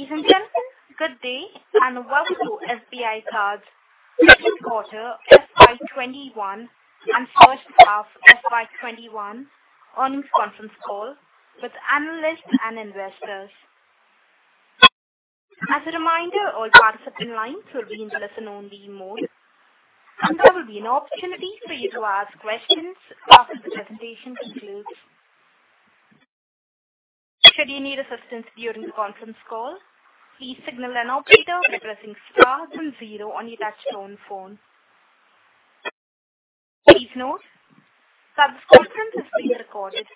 Ladies and gentlemen, good day. Welcome to SBI Card second quarter FY 2021 and first half FY 2021 earnings conference call with analysts and investors. As a reminder, all participant lines will be in listen-only mode, and there will be an opportunity for you to ask questions after the presentation concludes. Should you need assistance during the conference call, please signal an operator by pressing star then zero on your touch-tone phone. Please note, that this conference is being recorded.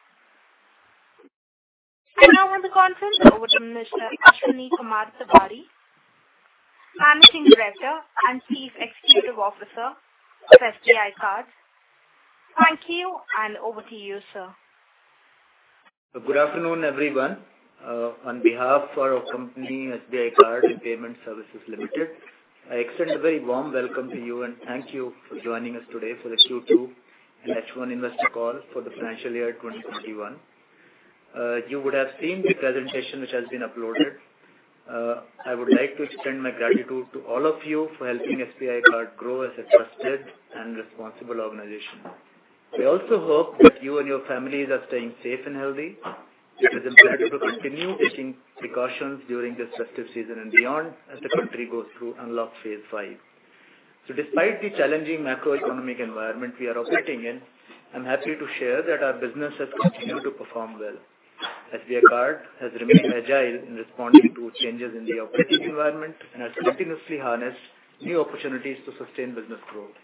I now hand the conference over to Mr. Ashwini Kumar Tewari, Managing Director and Chief Executive Officer of SBI Card. Thank you. Over to you, sir. Good afternoon, everyone. On behalf of our company, SBI Card and Payment Services Limited, I extend a very warm welcome to you and thank you for joining us today for the Q2 and H1 investor call for the financial year 2021. You would have seen the presentation which has been uploaded. I would like to extend my gratitude to all of you for helping SBI Card grow as a trusted and responsible organization. We also hope that you and your families are staying safe and healthy. It is imperative to continue taking precautions during this festive season and beyond, as the country goes through unlock Phase 5. Despite the challenging macroeconomic environment we are operating in, I am happy to share that our business has continued to perform well. SBI Card has remained agile in responding to changes in the operating environment and has continuously harnessed new opportunities to sustain business growth.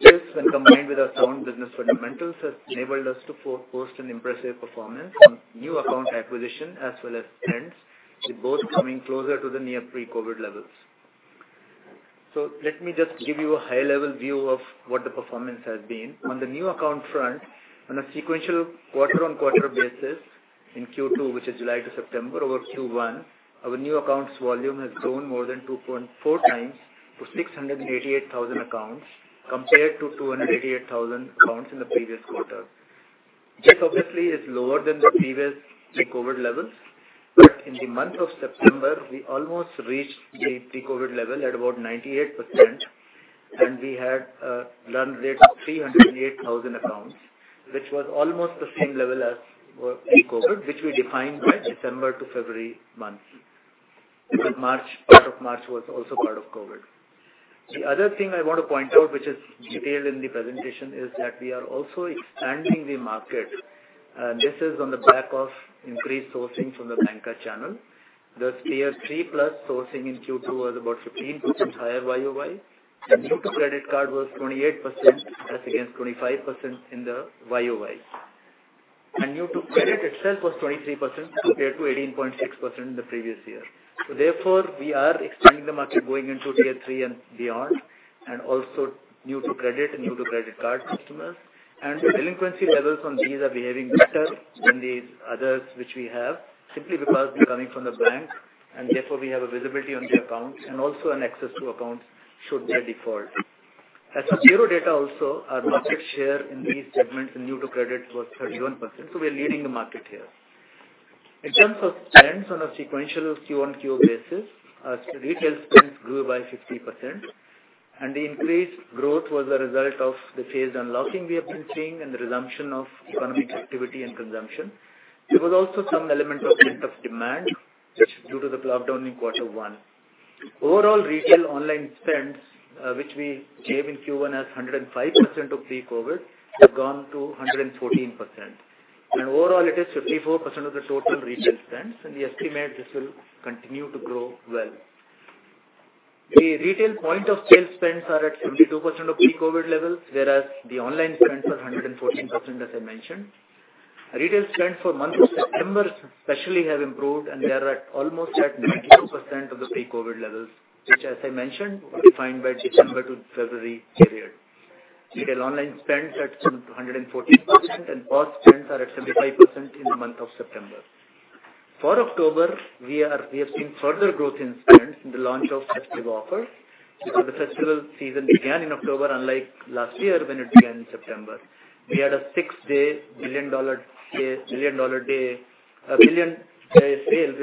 This, when combined with our sound business fundamentals, has enabled us to post an impressive performance on new account acquisition as well as spends, with both coming closer to the near pre-COVID levels. Let me just give you a high-level view of what the performance has been. On the new account front, on a sequential quarter-on-quarter basis in Q2, which is July to September, over Q1, our new accounts volume has grown more than 2.4x to 688,000 accounts compared to 288,000 accounts in the previous quarter. This obviously is lower than the previous pre-COVID levels. In the month of September, we almost reached the pre-COVID level at about 98%, and we had a run rate of 308,000 accounts, which was almost the same level as pre-COVID, which we define by December to February months. Because March, part of March was also part of COVID. The other thing I want to point out, which is detailed in the presentation, is that we are also expanding the market. This is on the back of increased sourcing from the banca channel. The Tier 3 plus sourcing in Q2 was about 15% higher YoY, and new to credit card was 28% as against 25% in the YoY. New to credit itself was 23% compared to 18.6% in the previous year. Therefore, we are expanding the market going into Tier 3 and beyond, and also new to credit and new to credit card customers. The delinquency levels on these are behaving better than the others, which we have simply because they are coming from the bank and therefore we have a visibility on the accounts and also an access to accounts should they default. As for zero data also, our market share in these segments in new to credit was 31%, so we are leading the market here. In terms of spends on a sequential Q-on-Q basis, our retail spends grew by 50% and the increased growth was a result of the phased unlocking we have been seeing and the resumption of economic activity and consumption. There was also some element of pent-up demand, which is due to the lockdown in quarter one. Overall retail online spends, which we gave in Q1 as 105% of pre-COVID, have gone to 114%. Overall, it is 54% of the total retail spends, and we estimate this will continue to grow well. The retail point-of-sale spends are at 72% of pre-COVID levels, whereas the online spends were 114%, as I mentioned. Retail spends for month of September especially have improved, and they are at almost at 92% of the pre-COVID levels, which as I mentioned, were defined by December to February period. Retail online spends at 114% and POS spends are at 75% in the month of September. For October, we have seen further growth in spends in the launch of festive offers. The festival season began in October, unlike last year when it began in September. We had a six-day billion-dollar day sale with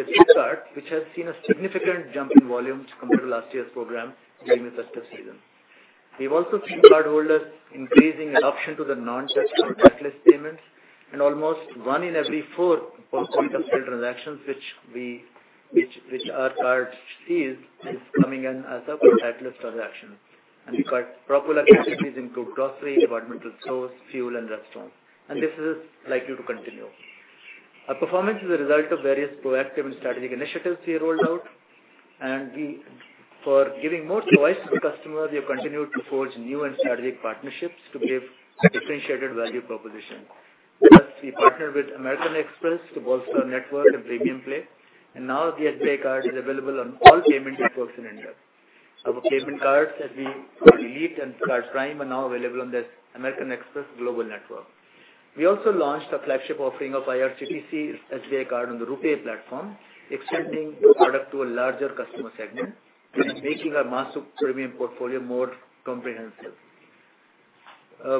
Flipkart, which has seen a significant jump in volume compared to last year's program during the festive season. We have also seen cardholders increasing adoption to the non-touch or contactless payments, and almost one in every four point-of-sale transactions, which our card sees is coming in as a contactless transaction. Card popular categories include grocery, departmental stores, fuel, and restaurants. This is likely to continue. Our performance is a result of various proactive and strategic initiatives we rolled out. For giving more choice to the customer, we have continued to forge new and strategic partnerships to give differentiated value proposition. We partnered with American Express to bolster our network and premium play, and now the SBI Card is available on all payment networks in India. Our payment cards that we have released and SBI Card PRIME are now available on the American Express global network. We also launched a flagship offering of IRCTC SBI Card on the RuPay platform, extending the product to a larger customer segment and making our massive premium portfolio more comprehensive.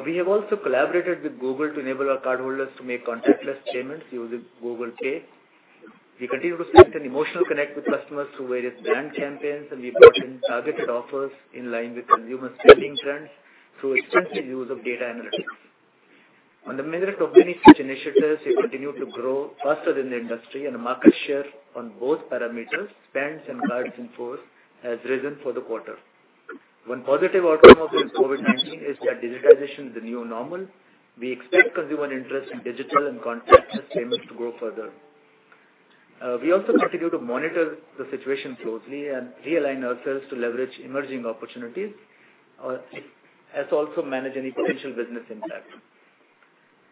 We have also collaborated with Google to enable our cardholders to make contactless payments using Google Pay. We continue to strengthen emotional connect with customers through various brand campaigns, and we brought in targeted offers in line with consumer spending trends through extensive use of data analytics. On the merit of many such initiatives, we continue to grow faster than the industry, and market share on both parameters, spends and cards in force, has risen for the quarter. One positive outcome of the COVID-19 is that digitization is the new normal. We expect consumer interest in digital and contactless payments to grow further. We also continue to monitor the situation closely and realign ourselves to leverage emerging opportunities, as also manage any potential business impact.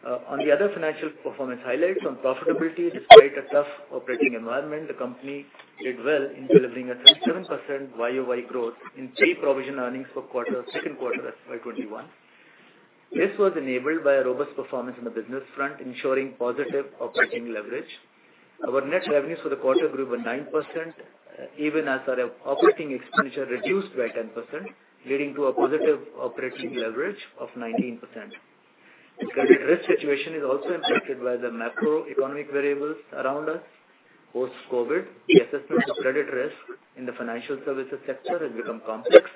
On the other financial performance highlights on profitability, despite a tough operating environment, the company did well in delivering a 37% YoY growth in pre-provision earnings for second quarter FY 2021. This was enabled by a robust performance on the business front, ensuring positive operating leverage. Our net revenues for the quarter grew by 9%, even as our operating expenditure reduced by 10%, leading to a positive operating leverage of 19%. The credit risk situation is also impacted by the macroeconomic variables around us. Post-COVID, the assessment of credit risk in the financial services sector has become complex,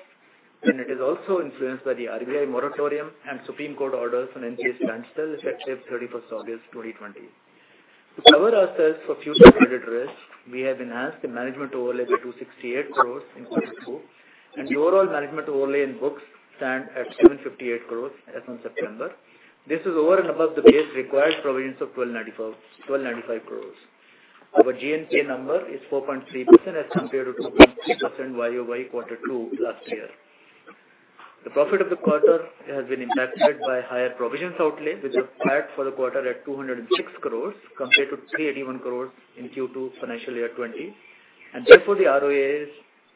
and it is also influenced by the RBI moratorium and Supreme Court orders on NPA standstill effective August 31st, 2020. To cover ourselves for future credit risk, we have enhanced the management overlay to 268 crores in FY 2022, and the overall management overlay in books stand at 758 crores as on September. This is over and above the base required provisions of 1,295 crores. Our GNPA number is 4.3% as compared to 2.3% YoY quarter two last year. The profit of the quarter has been impacted by higher provisions outlay, which was flat for the quarter at 206 crores compared to 381 crores in Q2 financial year 2020. Therefore, the ROA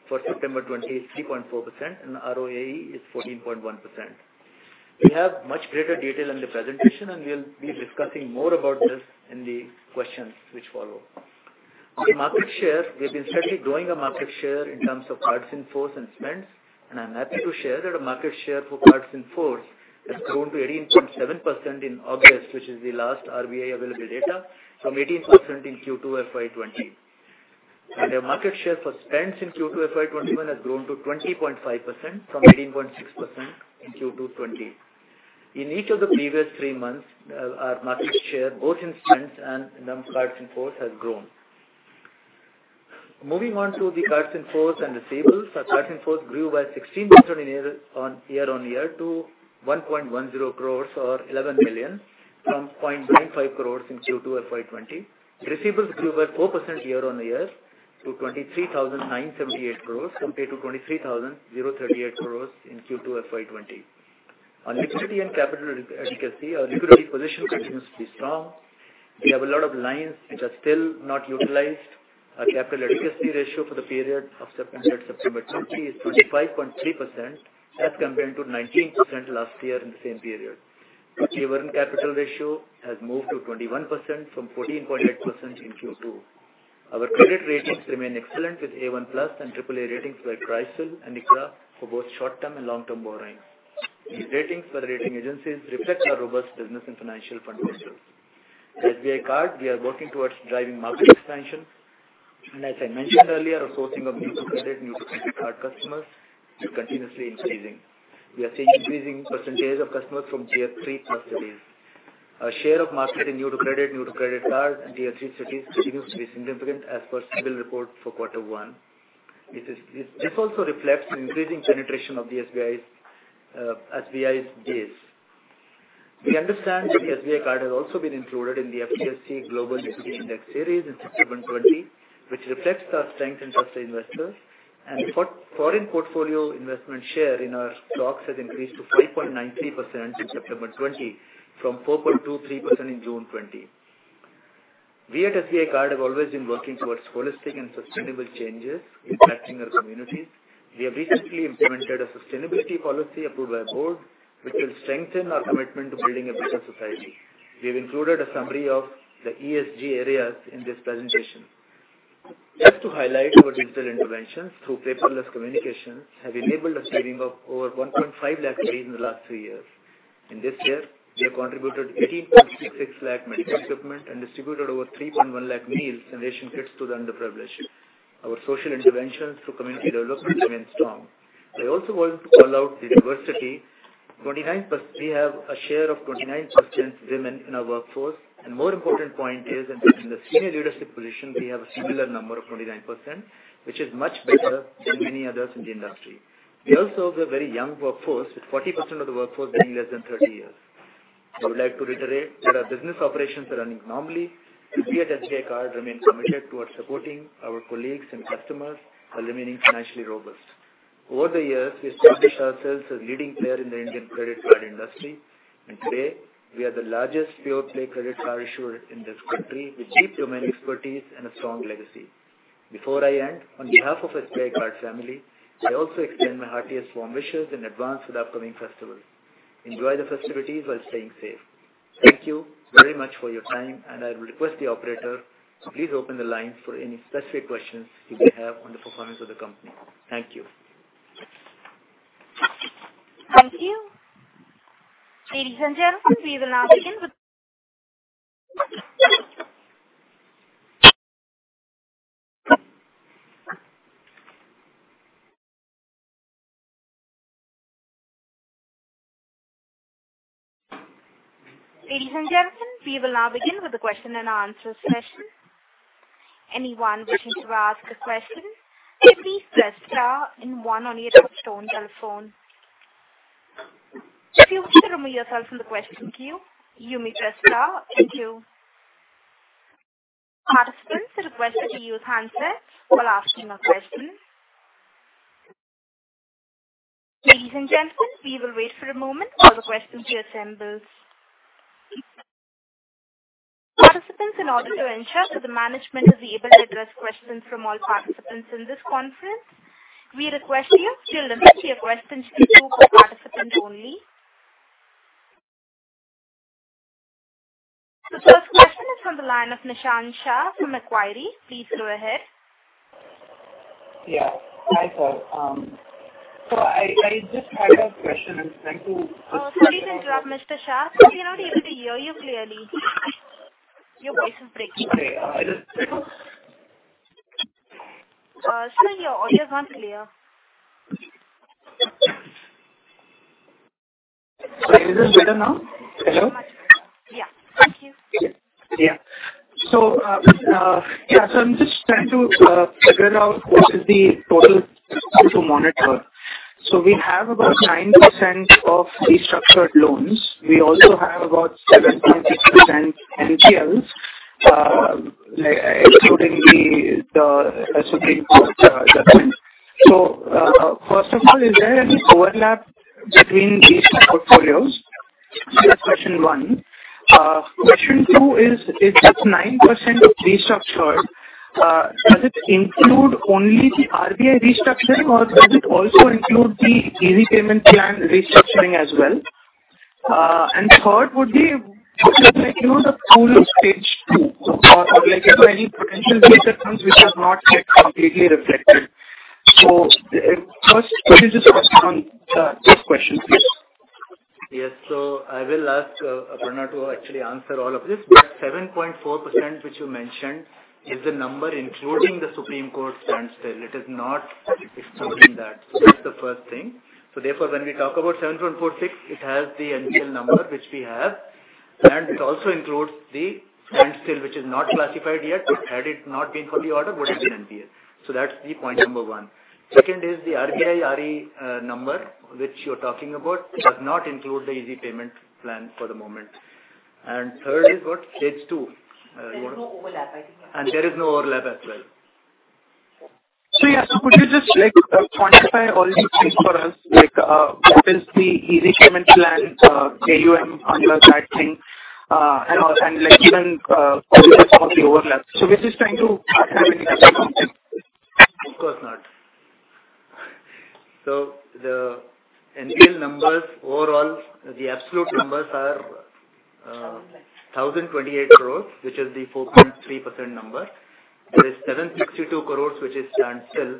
for September 2020 is 3.4%, and ROAE is 14.1%. We have much greater detail in the presentation, we'll be discussing more about this in the questions which follow. On market share, we've been steadily growing our market share in terms of cards in force and spends. I'm happy to share that our market share for cards in force has grown to 18.7% in August, which is the last RBI available data, from 18% in Q2 FY 2020. Our market share for spends in Q2 FY 2021 has grown to 20.5%, from 18.6% in Q2 2020. In each of the previous three months, our market share, both in spends and in cards in force, has grown. Moving on to the cards in force and receivables. Our cards in force grew by 16% year-on-year to 1.10 crores or 11 million, from 0.95 crores in Q2 FY 2020. Receivables grew by 4% year-on-year to 23,978 crore compared to 23,038 crore in Q2 FY 2020. On liquidity and capital adequacy, our liquidity position continues to be strong. We have a lot of lines which are still not utilized. Our capital adequacy ratio for the period of September 2020 is 25.3% as compared to 19% last year in the same period. Our Tier 1 capital ratio has moved to 21% from 14.8% in Q2. Our credit ratings remain excellent with A1+ and AAA ratings by CRISIL and ICRA for both short-term and long-term borrowings. These ratings by the rating agencies reflect our robust business and financial fundamentals. At SBI Card, we are working towards driving market expansion. As I mentioned earlier, our sourcing of new to credit, new to card customers is continuously increasing. We are seeing increasing percentage of customers from Tier 3 plus cities. Our share of market in new to credit, new to credit card, and Tier 3 cities continues to be significant as per CIBIL report for quarter one. This also reflects the increasing penetration of the SBI's base. We understand that SBI Card has also been included in the FTSE Global Equity Index Series in September 2020, which reflects our strength and trust to investors. Foreign portfolio investment share in our stocks has increased to 5.93% in September 2020 from 4.23% in June 2020. We at SBI Card have always been working towards holistic and sustainable changes impacting our communities. We have recently implemented a sustainability policy approved by our board, which will strengthen our commitment to building a better society. We have included a summary of the ESG areas in this presentation. Just to highlight our digital interventions through paperless communications have enabled a saving of over 1.5 lakh trees in the last three years. In this year, we have contributed 18.66 lakh medical equipment and distributed over 3.1 lakh meals and ration kits to the underprivileged. Our social interventions through community development remain strong. I also want to call out the diversity. We have a share of 29% women in our workforce, and more important point is in the senior leadership position, we have a similar number of 29%, which is much better than many others in the industry. We also have a very young workforce, with 40% of the workforce being less than 30 years. I would like to reiterate that our business operations are running normally, and we at SBI Card remain committed towards supporting our colleagues and customers while remaining financially robust. Over the years, we established ourselves as a leading player in the Indian credit card industry, and today, we are the largest pure-play credit card issuer in this country with deep domain expertise and a strong legacy. Before I end, on behalf of SBI Card family, I also extend my heartiest warm wishes in advance for the upcoming festival. Enjoy the festivities while staying safe. Thank you very much for your time, and I will request the operator to please open the line for any specific questions you may have on the performance of the company. Thank you. Thank you. Ladies and gentlemen, we will now begin with the question-and-answer session. Anyone wishing to ask a question, please press star and one on your touch-tone telephone. If you wish to remove yourself from the question queue, you may press star and two. Participants are requested to use handsets while asking a question. Ladies and gentlemen, we will wait for a moment for the questions to assemble. Participants, in order to ensure that the management is able to address questions from all participants in this conference, we request you to limit your questions to two per participant only. The first question is on the line of Nishant Shah from Macquarie. Please go ahead. Yeah. Hi, sir. I just had a question. Oh, sorry to interrupt, Mr. Shah. We're not able to hear you clearly. Your voice is breaking. Okay. I'll just try. Sir, your audio is not clear. Sorry. Is it better now? Hello. Yeah. Thank you. I'm just trying to figure out what is the total to monitor. We have about 9% of restructured loans. We also have about 7.6% NPLs, including the Supreme Court judgment. First of all, is there any overlap between these two portfolios? That's question one. Question two is, if that 9% is restructured, does it include only the RBI restructuring, or does it also include the Easy Payment Plan restructuring as well? Third would be, does it include the full stage two? Or is there any potential reset funds which has not yet completely reflected? First, could you just touch on the first question, please? Yes. I will ask Aparna to actually answer all of this, but 7.4% which you mentioned is the number including the Supreme Court standstill. It is not excluding that. That's the first thing. When we talk about 7.46%, it has the NPL number, which we have, and it also includes the standstill, which is not classified yet. Had it not been for the order, it would have been NPL. That's the point number one. Second is the RBI RE number, which you're talking about. Yeah. Does not include the Easy Payment Plan for the moment. Third is what? Stage two. There is no overlap, I think. There is no overlap as well. Yeah. Could you just quantify all these things for us? What is the easy payment plan, AUM under that thing, and even the overlap? We're just trying to have an idea. Of course not. The NPL numbers overall, the absolute numbers are. 1,028 crores. 1,028 crores, which is the 4.3% number. There is 762 crores, which is standstill,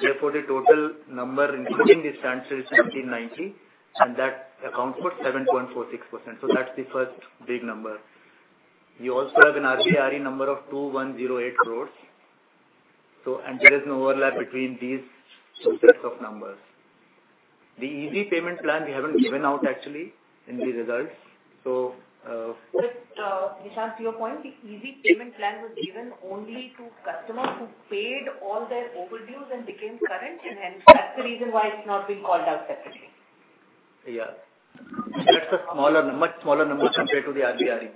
therefore the total number, including the standstill, is 1,790, and that accounts for 7.46%. That's the first big number. We also have an RBI RE number of 2,108 crores. There is no overlap between these subsets of numbers. The Easy Payment Plan we haven't given out actually in the results. Just, Nishant, to your point, the easy payment plan was given only to customers who paid all their overdues and became current, and hence that's the reason why it's not being called out separately. That's a much smaller number compared to the RBI RE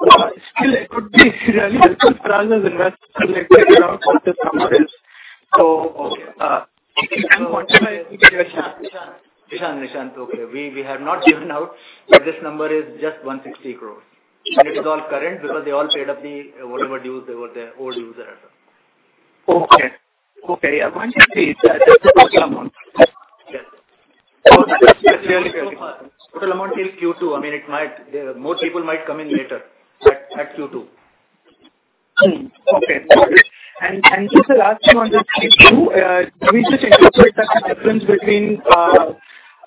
number. Still it could be really helpful for us as investors to get a sense of the numbers. Nishant. Okay. We have not given out, this number is just 160 crores. It is all current because they all paid up whatever dues they were, their old dues. Okay. I want you to see the total amount. Yes. Just to be clear. Total amount till Q2. More people might come in later at Q2. Okay, got it. Just the last two on the stage two, do we just interpret that the difference between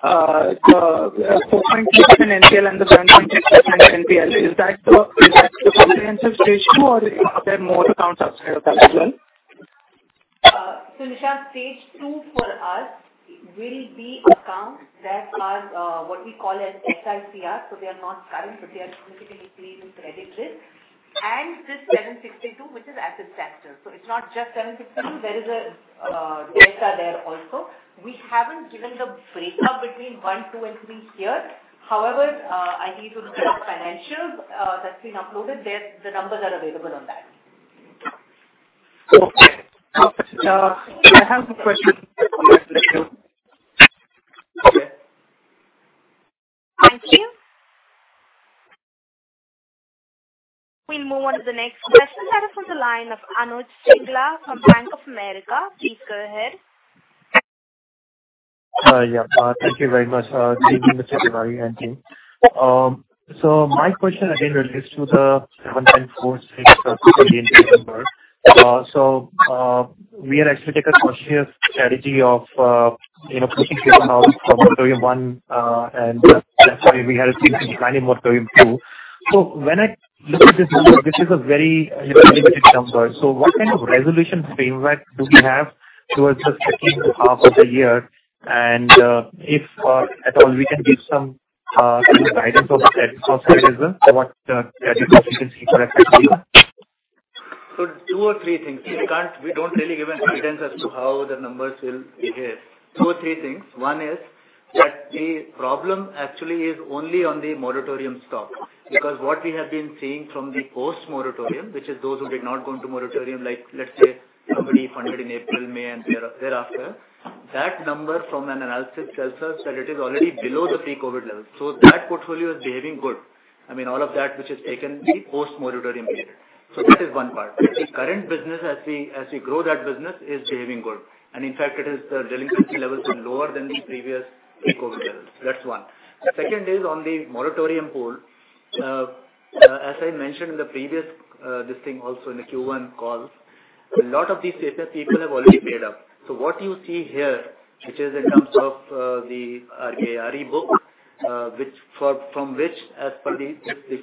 the 4.6% NPL and the 7.6% NPL? Is that the comprehensive stage two, or are there more accounts outside of that as well? Nishant, stage two for us will be accounts that are what we call as SICR. They're not current, but they are significantly clean credit risk. This 762, which is asset factor. It's not just 762. There is a data there also. We haven't given the breakup between one, two, and three here. However, I think in the financials that's been uploaded, the numbers are available on that. Okay. I have a question on that as well. Okay. Thank you. We'll move on to the next question. That is on the line of Anuj Singla from Bank of America. Please go ahead. Yeah. Thank you very much. Good evening, Mr. Tewari and team. My question again relates to the 7.46% in September. We had actually take a cautious strategy of pushing people out from moratorium 1 and we had seen some decline in moratorium 2. When I look at this number, this is a very limited number. What kind of resolution framework do we have towards the second half of the year and if at all, we can give some kind of guidance of that process as well, what credit efficiency could actually be? Two or three things. We don't really give any guidance as to how the numbers will behave. Two or three things. One is that the problem actually is only on the moratorium stock because what we have been seeing from the post moratorium, which is those who did not go into moratorium, let's say somebody funded in April, May, and thereafter, that number from an analysis tells us that it is already below the pre-COVID level. That portfolio is behaving good. I mean, all of that which is taken the post moratorium period. That is one part. The current business as we grow that business is behaving good and in fact it is the delinquency levels are lower than the previous pre-COVID levels. That's one. Second is on the moratorium hold. As I mentioned in the previous, this thing also in the Q1 call, a lot of these people have already paid up. What you see here, which is in terms of the RBI book from which as per the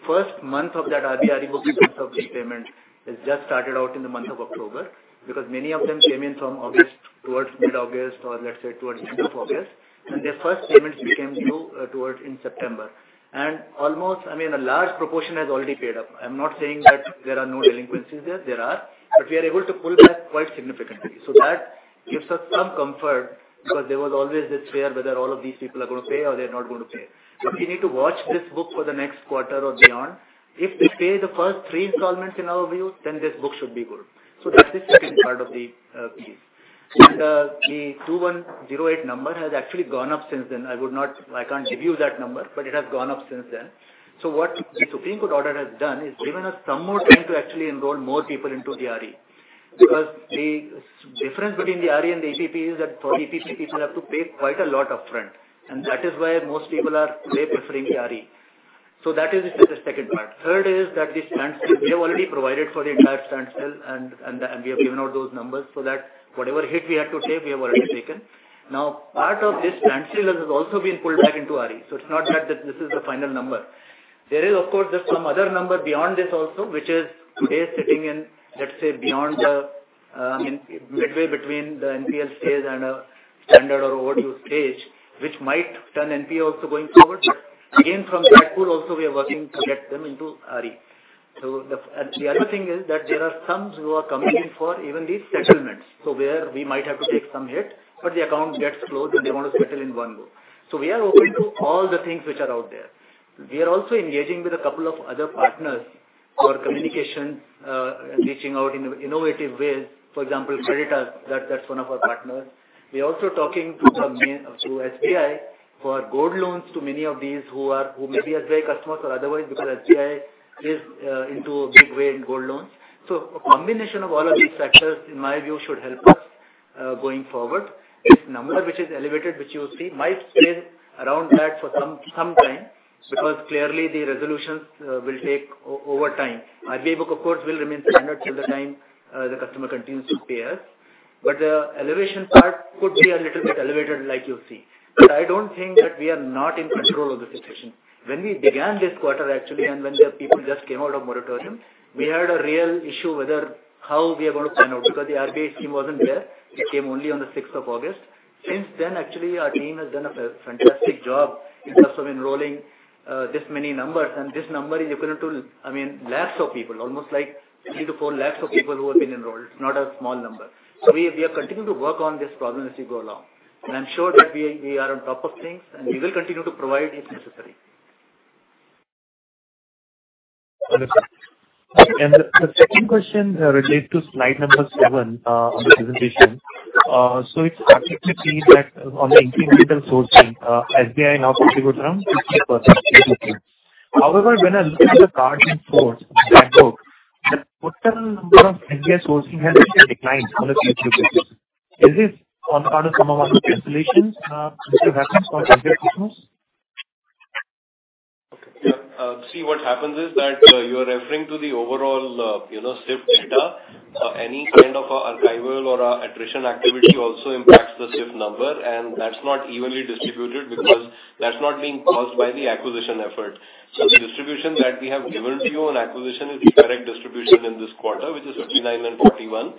first month of that RBI book, the month of repayment has just started out in the month of October because many of them came in from August towards mid-August or let's say towards end of August and their first payments became due towards in September. Almost, a large proportion has already paid up. I'm not saying that there are no delinquencies there are, but we are able to pull back quite significantly. That gives us some comfort because there was always this fear whether all of these people are going to pay or they're not going to pay. We need to watch this book for the next quarter or beyond. If they pay the first three installments in our view, this book should be good. That is second part of the piece. The 2,108 number has actually gone up since then. I can't give you that number, but it has gone up since then. What the Supreme Court order has done is given us some more time to actually enroll more people into RE because the difference between the RE and the EPP is that for EPP people have to pay quite a lot upfront and that is why most people are today preferring RE. That is the second part. Third is that the standstill, we have already provided for the entire standstill and we have given out those numbers so that whatever hit we had to take, we have already taken. Part of this standstill has also been pulled back into RE. It's not that this is the final number. There is of course, there's some other number beyond this also, which is today sitting in, let's say, midway between the NPL stage and a standard or overdue stage, which might turn NPA also going forward. Again, from that pool also we are working to get them into RE. The other thing is that there are some who are coming in for even these settlements. Where we might have to take some hit, the account gets closed and they want to settle in one go. We are open to all the things which are out there. We are also engaging with a couple of other partners for communication, reaching out in innovative ways. For example, Creditas, that's one of our partners. We are also talking through SBI for gold loans to many of these who may be SBI customers or otherwise because SBI is into a big way in gold loans. A combination of all of these factors in my view should help us going forward. This number which is elevated, which you see might stay around that for some time because clearly the resolutions will take over time. RBI book of course will remain standard till the time the customer continues to pay us, but the elevation part could be a little bit elevated like you see. I don't think that we are not in control of the situation. When we began this quarter actually and when the people just came out of moratorium, we had a real issue whether how we are going to plan out because the RBI scheme wasn't there. It came only on the August 6th. Since then actually our team has done a fantastic job in terms of enrolling this many numbers and this number is equivalent to lakhs of people, almost like 3 lakhs-4 lakhs of people who have been enrolled. It's not a small number. We are continuing to work on this problem as we go along and I'm sure that we are on top of things and we will continue to provide if necessary. Understood. The second question relates to slide number seven on the presentation. It's happy to see that on the incremental sourcing, SBI now constitutes around 50% of the booking. However, when I look at the cards in force in that book, the total number of SBI sourcing has actually declined on a Q2 basis. Is this on part of some of our cancellations which have happened for SBI customers? What happens is that you are referring to the overall CIF data. Any kind of archival or attrition activity also impacts the CIF number and that's not evenly distributed because that's not being caused by the acquisition effort. The distribution that we have given to you on acquisition is the correct distribution in this quarter, which is 59 and 41.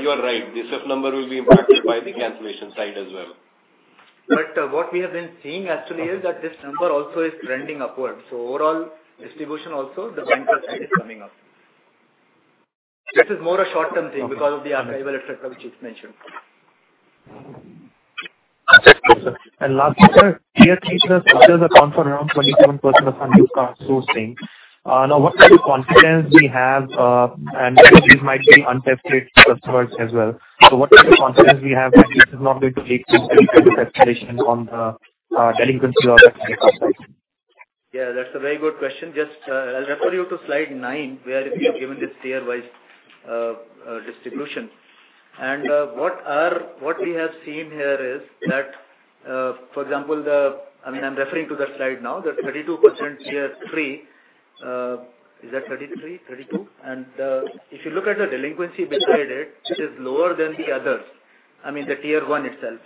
You are right, the CIF number will be impacted by the cancellation side as well. What we have been seeing actually is that this number also is trending upwards. Overall distribution also the vendor side is coming up. This is more a short term thing because of the archival effect which is mentioned. Understood, sir. Lastly, sir, Tier 3 structures account for around 27% of unused card sourcing. What kind of confidence we have and these might be untested customers as well. What kind of confidence we have that this is not going to lead to significant deterioration on the delinquency of the credit card side? That's a very good question. Just I'll refer you to slide nine, where we have given this tier-wise distribution. What we have seen here is that, for example, I'm referring to the slide now, the 32% Tier 3. Is that 33, 32? If you look at the delinquency beside it is lower than the others. I mean, the Tier 1 itself.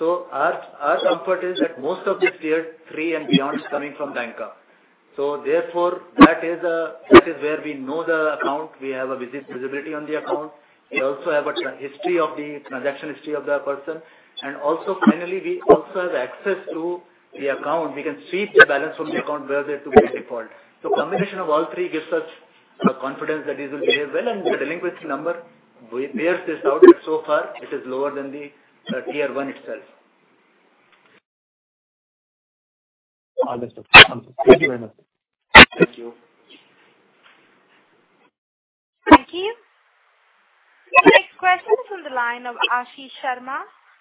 Our comfort is that most of this Tier 3 and beyond is coming from banca. That is where we know the account. We have a visibility on the account. We also have a history of the transaction history of the person. Finally, we also have access to the account. We can sweep the balance from the account where they're to be in default. Combination of all three gives us the confidence that it will behave well and the delinquency number bears this out that so far it is lower than the Tier 1 itself. All that's okay. Thank you very much. Thank you. Thank you. The next question is on the line of Ashish Sharma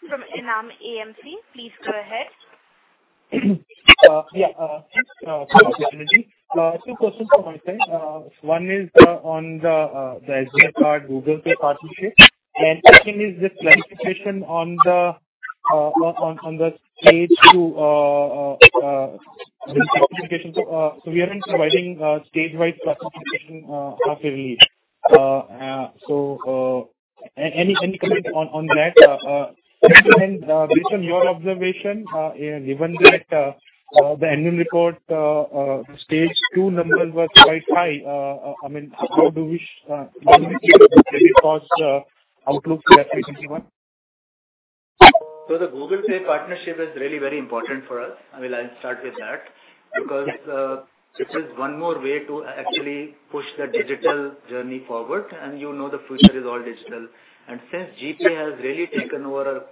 from Enam AMC. Please go ahead. Yeah. Thanks for the opportunity. Two questions on my side. One is on the SBI Card Google Pay partnership. Second is this classification on the stage two classification. We haven't been providing stage wise classification half-yearly. Any comment on that? Based on your observation, given that the annual report stage two number was quite high, how do we evaluate it maybe for outlook FY 2021? The Google Pay partnership is really very important for us. I will start with that because it is one more way to actually push the digital journey forward, and you know the future is all digital. Since GPay has really taken over a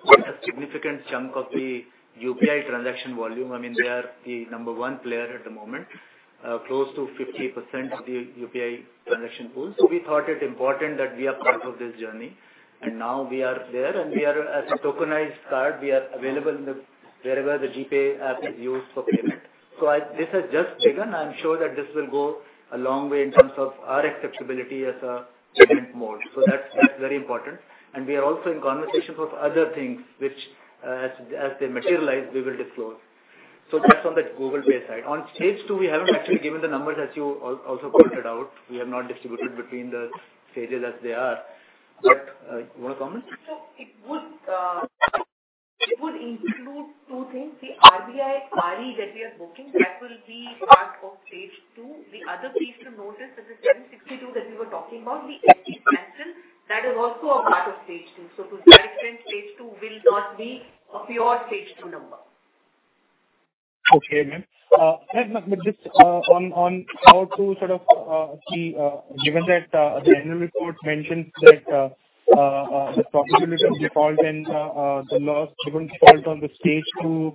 significant chunk of the UPI transaction volume, they are the number one player at the moment, close to 50% of the UPI transaction pool. We thought it important that we are part of this journey, and now we are there, and as a tokenized card, we are available wherever the GPay app is used for payment. This has just begun. I'm sure that this will go a long way in terms of our acceptability as a payment mode. That's very important, and we are also in conversations of other things, which as they materialize, we will disclose. That's on the Google Pay side. On stage two, we haven't actually given the numbers as you also pointed out. We have not distributed between the stages as they are. You want to comment? It would include two things. The RBI RE that we are booking, that will be part of stage two. The other piece to notice is the 1,062 that we were talking about, the HDFC bank loan, that is also a part of stage two. To that end, stage two will not be a pure stage two number. Okay, Ma'am. Just on how to sort of see, given that the annual report mentions that the probability of default and the loss given default on the stage two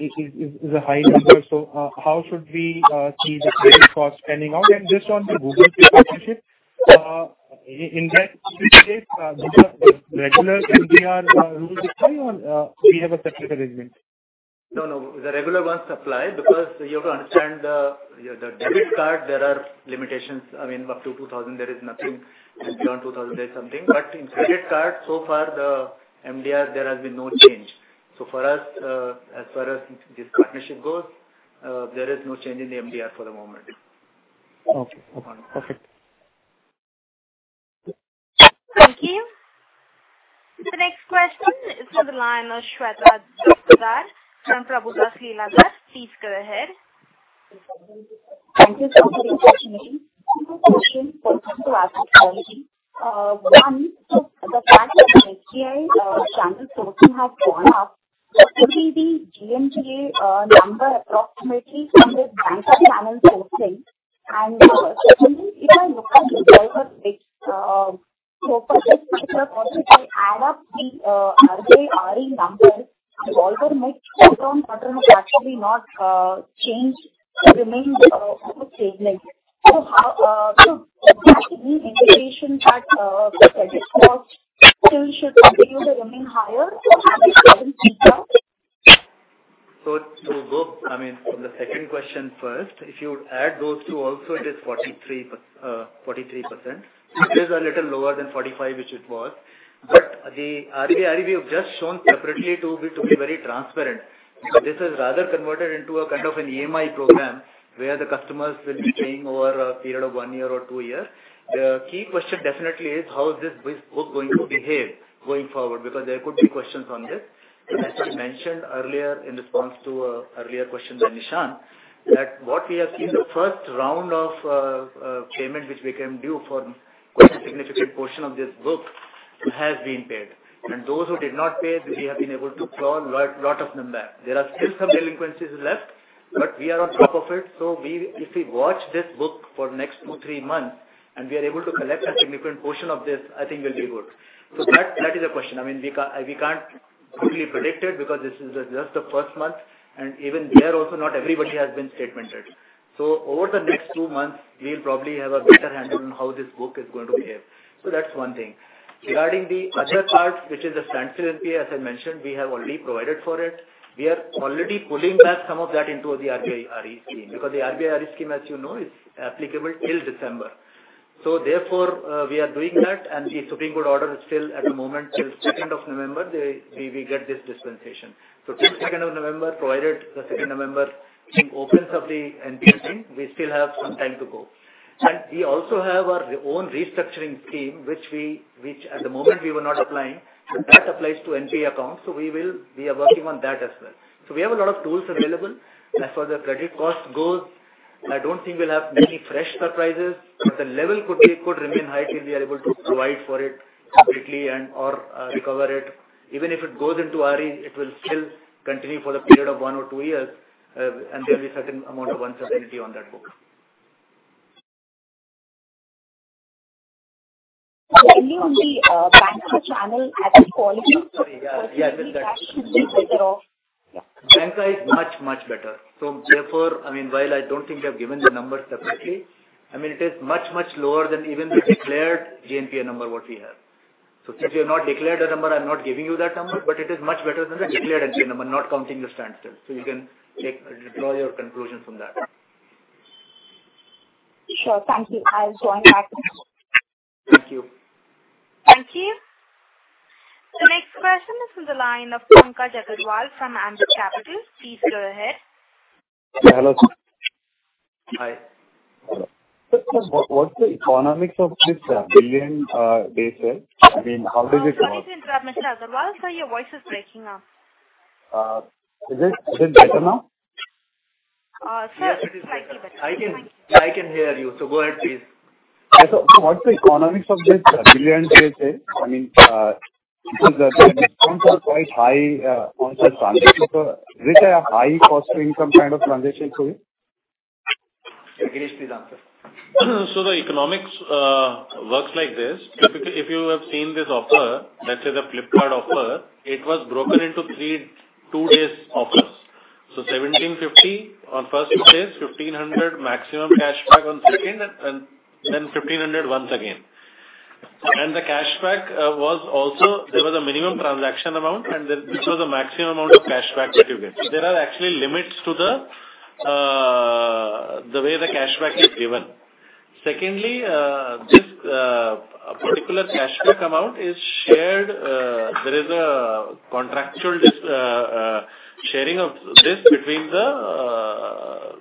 is a high number. How should we see the credit cost panning out? Just on the Google Pay partnership, in that such case, these are regular MDR rules apply or we have a separate arrangement? No, no. The regular ones apply because you have to understand the debit card, there are limitations, up to 2,000, there is nothing, and beyond 2,000 there is something. In credit cards, so far the MDR there has been no change. For us, as far as this partnership goes, there is no change in the MDR for the moment. Okay. Perfect. Thank you. The next question is on the line Shweta Daptardar from Prabhudas Lilladher. Please go ahead. Thank you for the opportunity. Two questions when it comes to asset quality. One, the fact that HDFC Bank loan portion has gone up, what will be GNPA number approximately from this banca channel sourcing? Second thing, if I look at the driver mix, for this particular quarter, if I add up the RBI RE numbers, the revolver mix short-term pattern has actually not changed. It remained almost stable. Does this mean implication that the credit cost still should continue to remain higher? How do you see that playing out? The second question first. If you add those two also it is 43%. It is a little lower than 45%, which it was. The RBI RE we have just shown separately to be very transparent. This is rather converted into a kind of an EMI program where the customers will be paying over a period of one year or two years. The key question definitely is how is this book going to behave going forward? Because there could be questions on this. As we mentioned earlier in response to an earlier question by Nishant, that what we have seen the first round of payment, which became due for quite a significant portion of this book has been paid. Those who did not pay, we have been able to claw lot of them back. There are still some delinquencies left, but we are on top of it. If we watch this book for next two, three months, and we are able to collect a significant portion of this, I think we'll be good. That is a question. We can't fully predict it because this is just the first month, and even there also not everybody has been statemented. Over the next two months, we'll probably have a better handle on how this book is going to behave. That's one thing. Regarding the other part, which is the standstill NPA, as I mentioned, we have already provided for it. We are already pulling back some of that into the RBI RE scheme, because the RBI RE scheme, as you know, is applicable till December. Therefore, we are doing that and the Supreme Court order is still at the moment till November 2nd, we will get this dispensation. Till November 2nd, provided the November 2nd thing opens up the NPA, we still have some time to go. We also have our own restructuring scheme, which at the moment we were not applying, but that applies to NPA accounts, so we are working on that as well. We have a lot of tools available. As for the credit cost goals, I don't think we'll have many fresh surprises, but the level could remain high till we are able to provide for it completely and/or recover it. Even if it goes into RE, it will still continue for the period of one or two years, and there will be certain amount of uncertainty on that book. Only on the banca channel as a quality. Sorry. Yeah. Do you think that should be better off? Banca is much, much better. Therefore, while I don't think I've given the numbers separately, it is much, much lower than even the declared GNPA number what we have. Since we have not declared the number, I'm not giving you that number, but it is much better than the declared NPA number, not counting the standstill. You can deploy your conclusion from that. Sure. Thank you. I'll join back in. Thank you. Thank you. The next question is on the line of Pankaj Agarwal from Ambit Capital. Please go ahead. Hello. Hi. Sir, what's the economics of this Big Billion Days sale? How is it- Sorry to interrupt, Mr. Agarwal. Sir, your voice is breaking up. Is it better now? Sir- Yes, it is better. I can hear you, so go ahead, please. What's the economics of this Big Billion Days sale? Because the discounts are quite high on some transactions. Is it a high-cost income kind of transaction for you? Girish, please answer. The economics works like this. If you have seen this offer, let's say the Flipkart offer, it was broken into two days offers. 1,750 on first day, 1,500 maximum cashback on second and then 1,500 once again. The cashback was also, there was a minimum transaction amount, and this was the maximum amount of cashback that you get. There are actually limits to the way the cashback is given. Secondly, this particular cashback amount is shared. There is a contractual sharing of this. There is a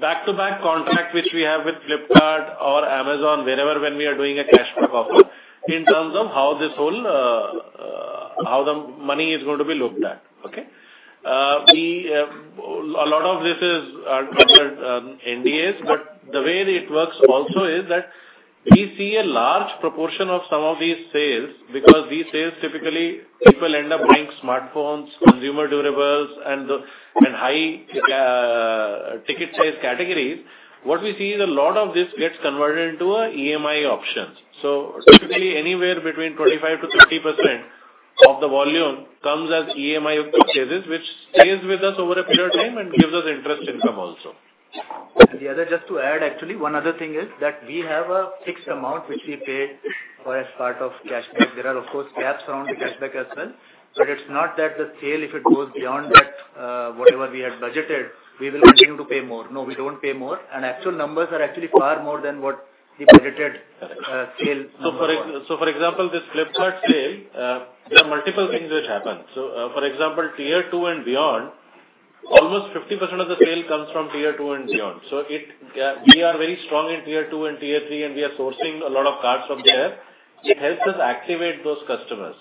back-to-back contract which we have with Flipkart or Amazon, wherever when we are doing a cashback offer in terms of how the money is going to be looked at. Okay. A lot of this is under NDAs, but the way it works also is that we see a large proportion of some of these sales because these sales typically, people end up buying smartphones, consumer durables, and high ticket size categories. What we see is a lot of this gets converted into a EMI option. Typically, anywhere between 25%-30% of the volume comes as EMI purchases, which stays with us over a period of time and gives us interest income also. The other, just to add, actually, one other thing is that we have a fixed amount which we pay for a part of cashback. There are, of course, caps around the cashback as well. It's not that the scale, if it goes beyond that, whatever we had budgeted, we will continue to pay more. No, we don't pay more. Actual numbers are actually far more than what we budgeted scale number one. For example, this Flipkart sale, there are multiple things which happen. For example, tier 2 and beyond, almost 50% of the sale comes from Tier 2 and beyond. We are very strong in Tier 2 and Tier 3, and we are sourcing a lot of cards from there. It helps us activate those customers.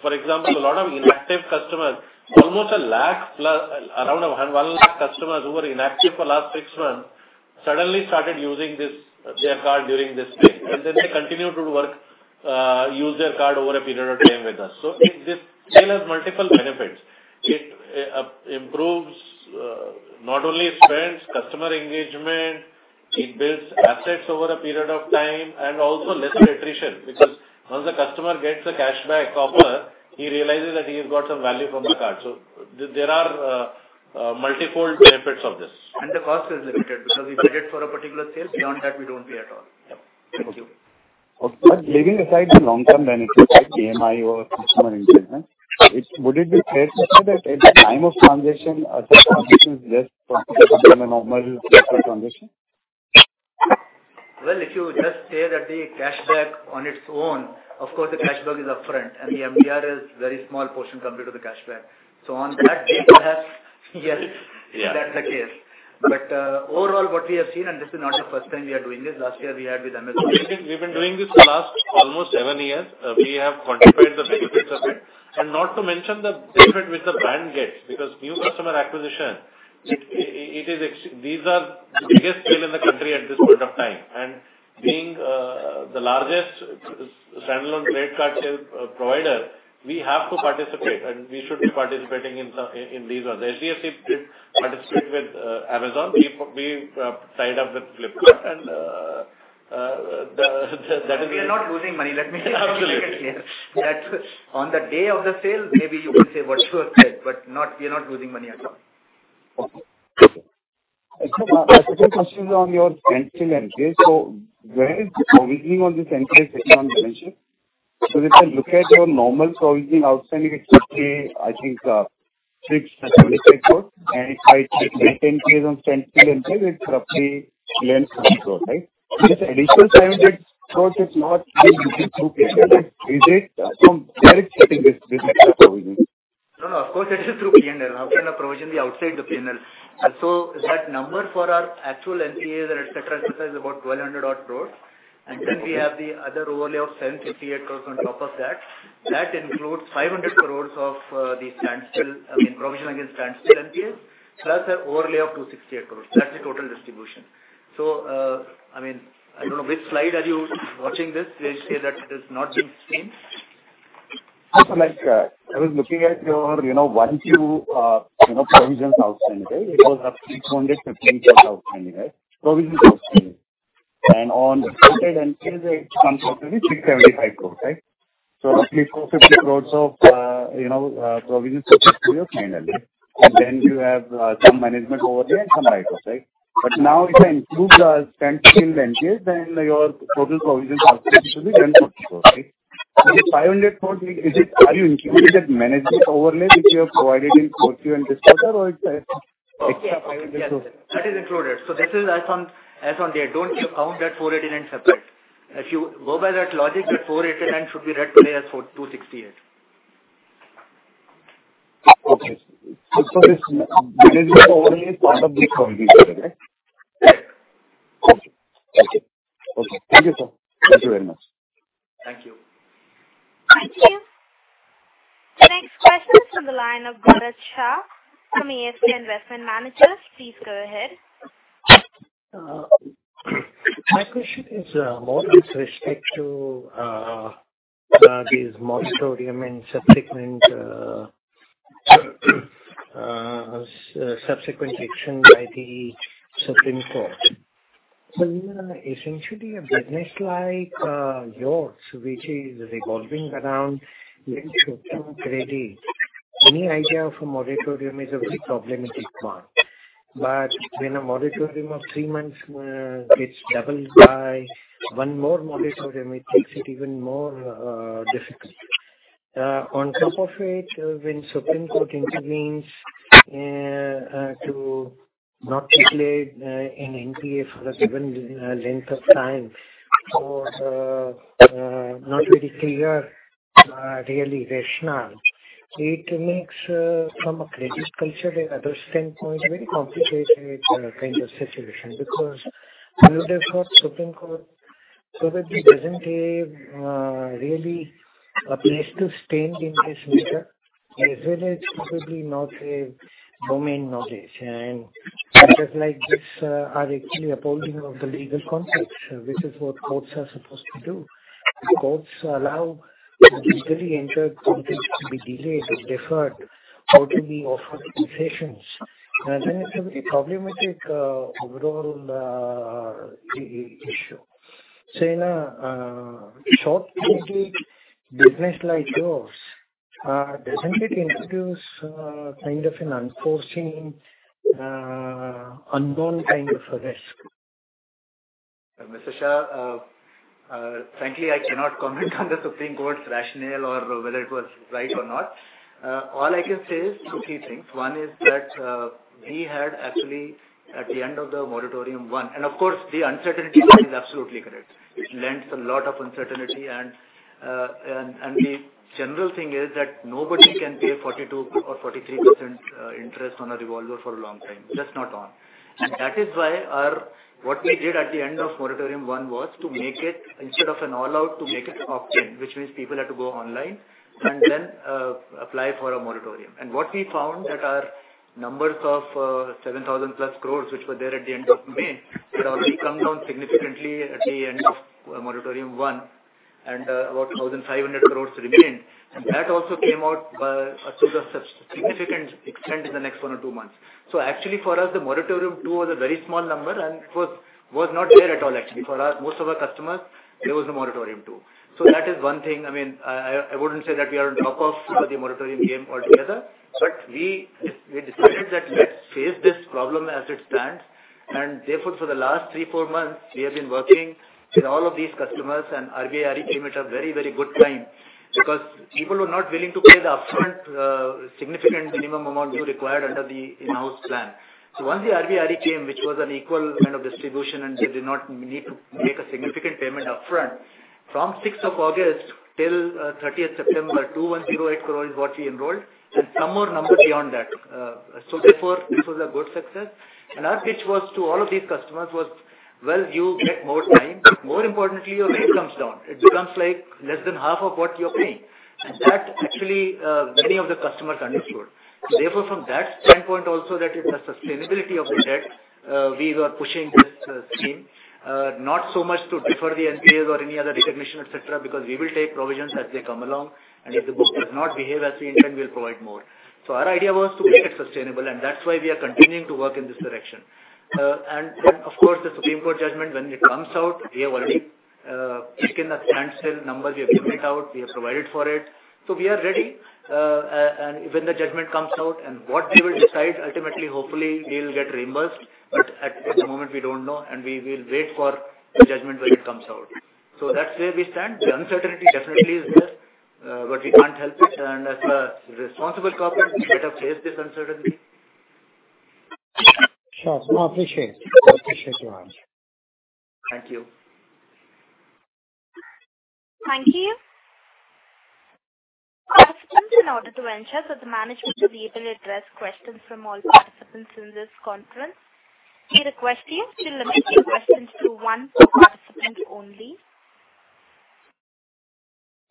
For example, a lot of inactive customers, almost a lakh plus, around 1 lakh customers who were inactive for last six months suddenly started using their card during this sale. They continued to use their card over a period of time with us. This sale has multiple benefits. It improves not only spends, customer engagement, it builds assets over a period of time and also lesser attrition, because once the customer gets a cashback offer, he realizes that he's got some value from the card. There are multifold benefits of this. The cost is limited because we budget for a particular sale. Beyond that, we don't pay at all. Yep. Thank you. Okay. Leaving aside the long-term benefits like EMI or customer engagement, would it be fair to say that at the time of transaction, a transaction is just from a normal transaction? If you just say that the cashback on its own, of course, the cashback is upfront and the MDR is very small portion compared to the cashback. On that day, perhaps, yes, that's the case. Overall, what we have seen, and this is not the first time we are doing this, last year we had with Amazon. We've been doing this the last almost seven years. We have quantified the benefits of it. Not to mention the benefit which the brand gets because new customer acquisition, these are biggest sale in the country at this point of time. Being the largest standalone credit card sale provider, we have to participate and we should be participating in these. HDFC did participate with Amazon. We tied up with Flipkart and- We are not losing money. Let me be absolutely clear. Absolutely. On the day of the sale, maybe you could say what you have said, but we are not losing money at all. Okay. Two questions on your standstill NPA. Where is the provisioning on the standstill NPA? If I look at your normal provisioning outstanding, it's roughly, I think, 678 crores. If I take 10% on standstill NPA, it's roughly 114 crores, right? This additional 700 crores is not included through P&L. From where it's hitting this extra provision? Of course, it is through P&L. How can a provision be outside the P&L? That number for our actual NPAs and et cetera, et cetera, is about 1,200 odd crores. We have the other overlay of 758 crores on top of that. That includes 500 crores of the provision against standstill NPAs, plus an overlay of 268 crores. That's the total distribution. I don't know which slide are you watching this, where you say that it is not being seen. I was looking at your 1Q provisions outstanding. It was roughly 250 crore outstanding. Provisions outstanding. On standstill, it comes up to be 675 crore, right? Roughly 450 crore of provisions sit with you finally. You have some management overlay and some write-offs. Now if you include the standstill NPAs, your total provisions outstanding should be INR 114 crore, right? This INR 500 crore, are you including that management overlay which you have provided in Q2 this quarter or it's extra INR 500 crore? Yes. That is included. This is as on there. Don't count that 489 separate. If you go by that logic, that 489 should be read today as 268. Okay. This management overlay is part of the INR 489, right? Okay. Got it. Okay. Thank you, sir. Thank you very much. Thank you. Thank you. Next question is from the line of [Gaurav Shah] from [ASK] Investment Managers. Please go ahead. My question is more with respect to these moratorium and subsequent action by the Supreme Court. Essentially a business like yours, which is revolving around very short-term credit, any idea of a moratorium is a very problematic mark. When a moratorium of three months gets doubled by one more moratorium, it makes it even more difficult. On top of it, when Supreme Court intervenes to not declare an NPA for a given length of time for not really clear rationale, it makes from a credit culture and other standpoint, very complicated kind of situation. Because rule of law, Supreme Court, so that it doesn't have really a place to stand in this matter, as well as probably not a domain knowledge. Judges like this are actually upholding of the legal context. This is what courts are supposed to do. Courts allow legally entered contracts to be delayed and deferred, openly offer concessions. It's a very problematic overall issue. In a short-term business like yours, doesn't it introduce kind of an unforeseen, unknown kind of a risk? Mr. Shah, frankly, I cannot comment on the Supreme Court's rationale or whether it was right or not. All I can say is two, three things. One is that we had actually, at the end of the moratorium 1, and of course, the uncertainty part is absolutely correct. It lends a lot of uncertainty, and the general thing is that nobody can pay 42% or 43% interest on a revolver for a long time. Just not on. That is why what we did at the end of moratorium 1 was to make it, instead of an all-out, to make it opt-in, which means people had to go online and then apply for a moratorium. What we found that our numbers of 7,000+ crores which were there at the end of May, it already come down significantly at the end of moratorium 1, and about 1,500 crores remained. That also came out to the significant extent in the next one or two months. Actually, for us, the moratorium 2 was a very small number and was not there at all actually. For most of our customers, there was no moratorium 2. That is one thing. I wouldn't say that we are on top of the moratorium game altogether, but we decided that let's face this problem as it stands. Therefore, for the last three, four months, we have been working with all of these customers and RBI RE came at a very good time because people were not willing to pay the upfront significant minimum amount we required under the in-house plan. Once the RBI RE came, which was an equal kind of distribution, and they did not need to make a significant payment upfront. From August 6th till September 30th, 2,108 crore is what we enrolled and some more numbers beyond that. Therefore, this was a good success. Our pitch was to all of these customers was, well, you get more time, but more importantly, your rate comes down. It becomes like less than half of what you're paying. That actually many of the customers understood. From that standpoint also that it's a sustainability of the debt, we were pushing this scheme not so much to defer the NPAs or any other recognition, et cetera, because we will take provisions as they come along, and if the book does not behave as we intend, we'll provide more. Our idea was to make it sustainable, and that's why we are continuing to work in this direction. Of course, the Supreme Court judgment, when it comes out, we have already taken a standstill number. We have kept it out. We have provided for it. We are ready. When the judgment comes out and what they will decide, ultimately, hopefully, we will get reimbursed. At the moment, we don't know, and we will wait for the judgment when it comes out. That's where we stand. The uncertainty definitely is there, but we can't help it, and as a responsible corporate, we better face this uncertainty. Sure. No, I appreciate your answer. Thank you. Thank you. Participants, in order to ensure that the management will be able to address questions from all participants in this conference, we request you to limit your questions to one per participant only.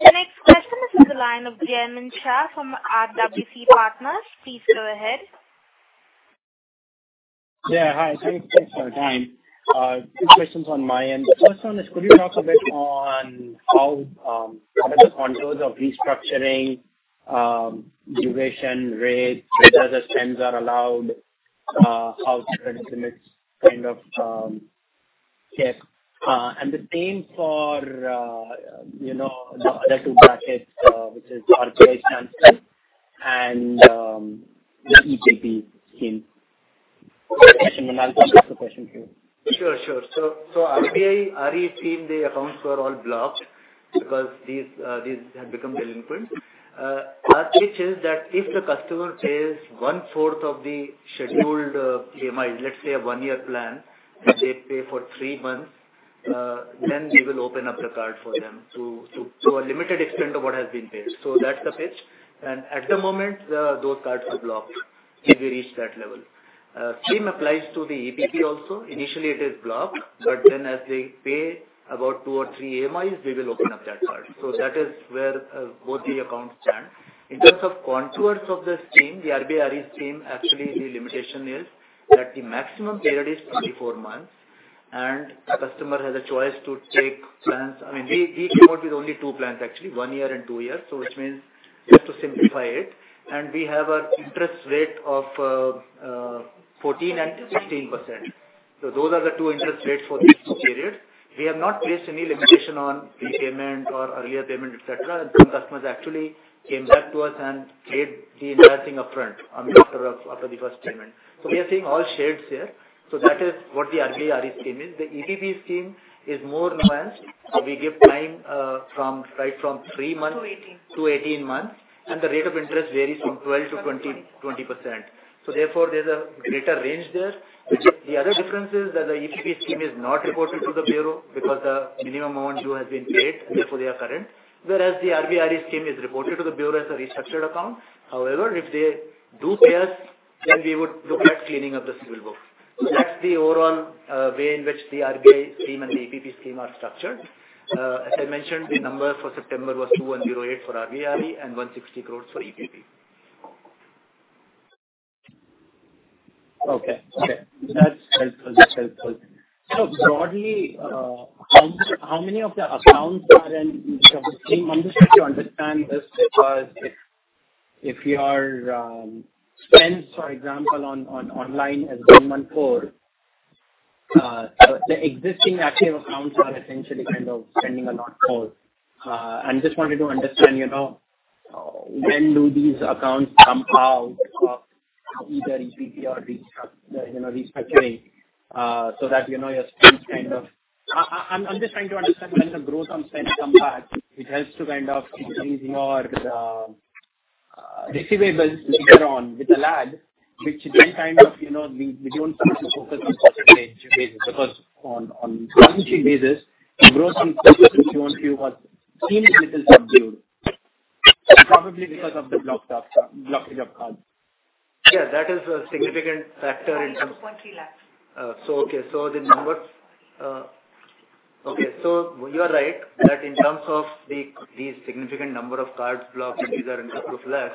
The next question is in the line of Jaimin Shah from RWC Partners. Please go ahead. Yeah. Hi. Thanks for your time. Two questions on my end. First one is, could you talk a bit on what are the contours of restructuring, duration, rate, whether the spends are allowed, how credit limits kind of kept. The same for the other two brackets, which is RBI standstill and the EPP scheme. That's the question, and I'll pass the question to you. Sure. RBI RE scheme, the accounts were all blocked because these had become delinquent. Our pitch is that if the customer pays 1/4 of the scheduled EMIs, let's say a one-year plan, they pay for three months, we will open up the card for them to a limited extent of what has been paid. That's the pitch. At the moment, those cards are blocked if they reach that level. Same applies to the EPP also. Initially it is blocked, as they pay about two or three EMIs, we will open up that card. That is where both the accounts stand. In terms of contours of the scheme, the RBI RE scheme, actually, the limitation is that the maximum period is 24 months, and the customer has a choice to take plans. We came out with only two plans, actually, one year and two years. Which means just to simplify it. We have an interest rate of 14% and 16%. Those are the two interest rates for these two periods. We have not placed any limitation on prepayment or earlier payment, et cetera. Some customers actually came back to us and paid the entire thing upfront after the first payment. We are seeing all shades here. That is what the RBI RE scheme is. The EPP scheme is more nuanced. We give time from 3-18 months, and the rate of interest varies from 12%-20%. Therefore, there's a greater range there. The other difference is that the EPP scheme is not reported to the bureau because the minimum amount due has been paid, therefore they are current, whereas the RBI RE scheme is reported to the bureau as a restructured account. If they do pay us, then we would look at cleaning up this bill book. That's the overall way in which the RBI scheme and the EPP scheme are structured. As I mentioned, the number for September was 2,108 for RBI-RE and 160 crores for EPP. Okay. That's helpful. Broadly, how many of the accounts are in the scheme? I'm just trying to understand this because if your spends, for example, on online has been month four, the existing active accounts are essentially kind of spending are not full. I just wanted to understand when do these accounts come out of either EPP or restructuring, so that your spends kind of I'm just trying to understand when the growth on spend come back, it helps to kind of keep raising your receivables later on with a lag, which then kind of we don't want to focus on percentage basis, because on percentage basis, growth on services which you want to see is little subdued. Probably because of the blockage of cards. Yeah, that is a significant factor in terms. One key lapse. You are right that in terms of the significant number of cards blocked, and these are in terms of less,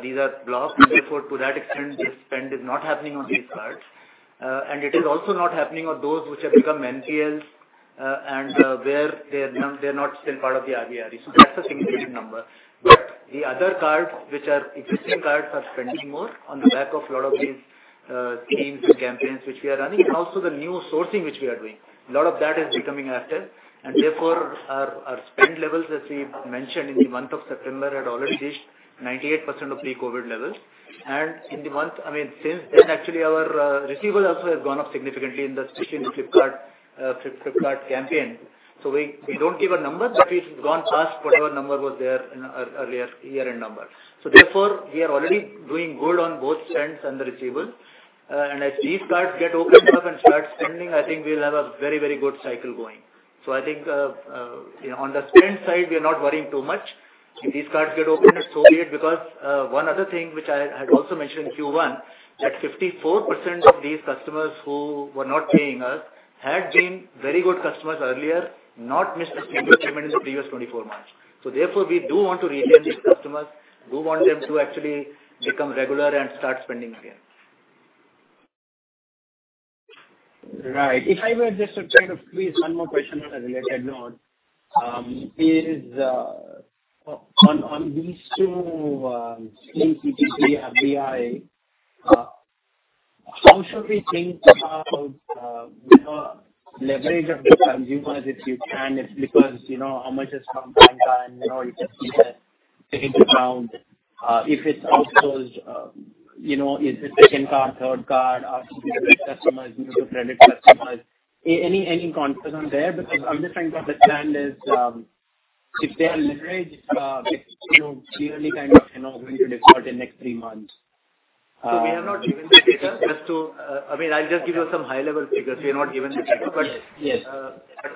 these are blocked, and therefore to that extent, the spend is not happening on these cards. It is also not happening on those which have become NPLs, and where they're not still part of the RBI RE. That's a significant number. The other cards, which are existing cards, are spending more on the back of a lot of these schemes and campaigns which we are running, and also the new sourcing which we are doing. A lot of that is becoming active. Therefore, our spend levels, as we mentioned in the month of September, had already reached 98% of pre-COVID levels. Since then, actually, our receivables also have gone up significantly, especially in the Flipkart campaign. We don't give a number, but it's gone past whatever number was there in our earlier year-end number. We are already doing good on both spends and the receivables. As these cards get opened up and start spending, I think we'll have a very good cycle going. I think on the spend side, we are not worrying too much. If these cards get opened, so be it, because one other thing which I had also mentioned in Q1, that 54% of these customers who were not paying us had been very good customers earlier, not missed a single payment in the previous 24 months. We do want to re-engage these customers. We want them to actually become regular and start spending again. Right. If I were just to kind of squeeze one more question on a related note, on these two schemes, EPP and RBI, how should we think about leverage of the consumers, if you can? How much is from banca, and you can see the ticket amount. If it's outsourced, is it second card, third card, or simply new customers, new to credit customers? Any comments on there? I am just trying to understand is if they are leveraged, it is clearly going to default in next three months. We have not given the data. I'll just give you some high-level figures. We've not given the data. Yes.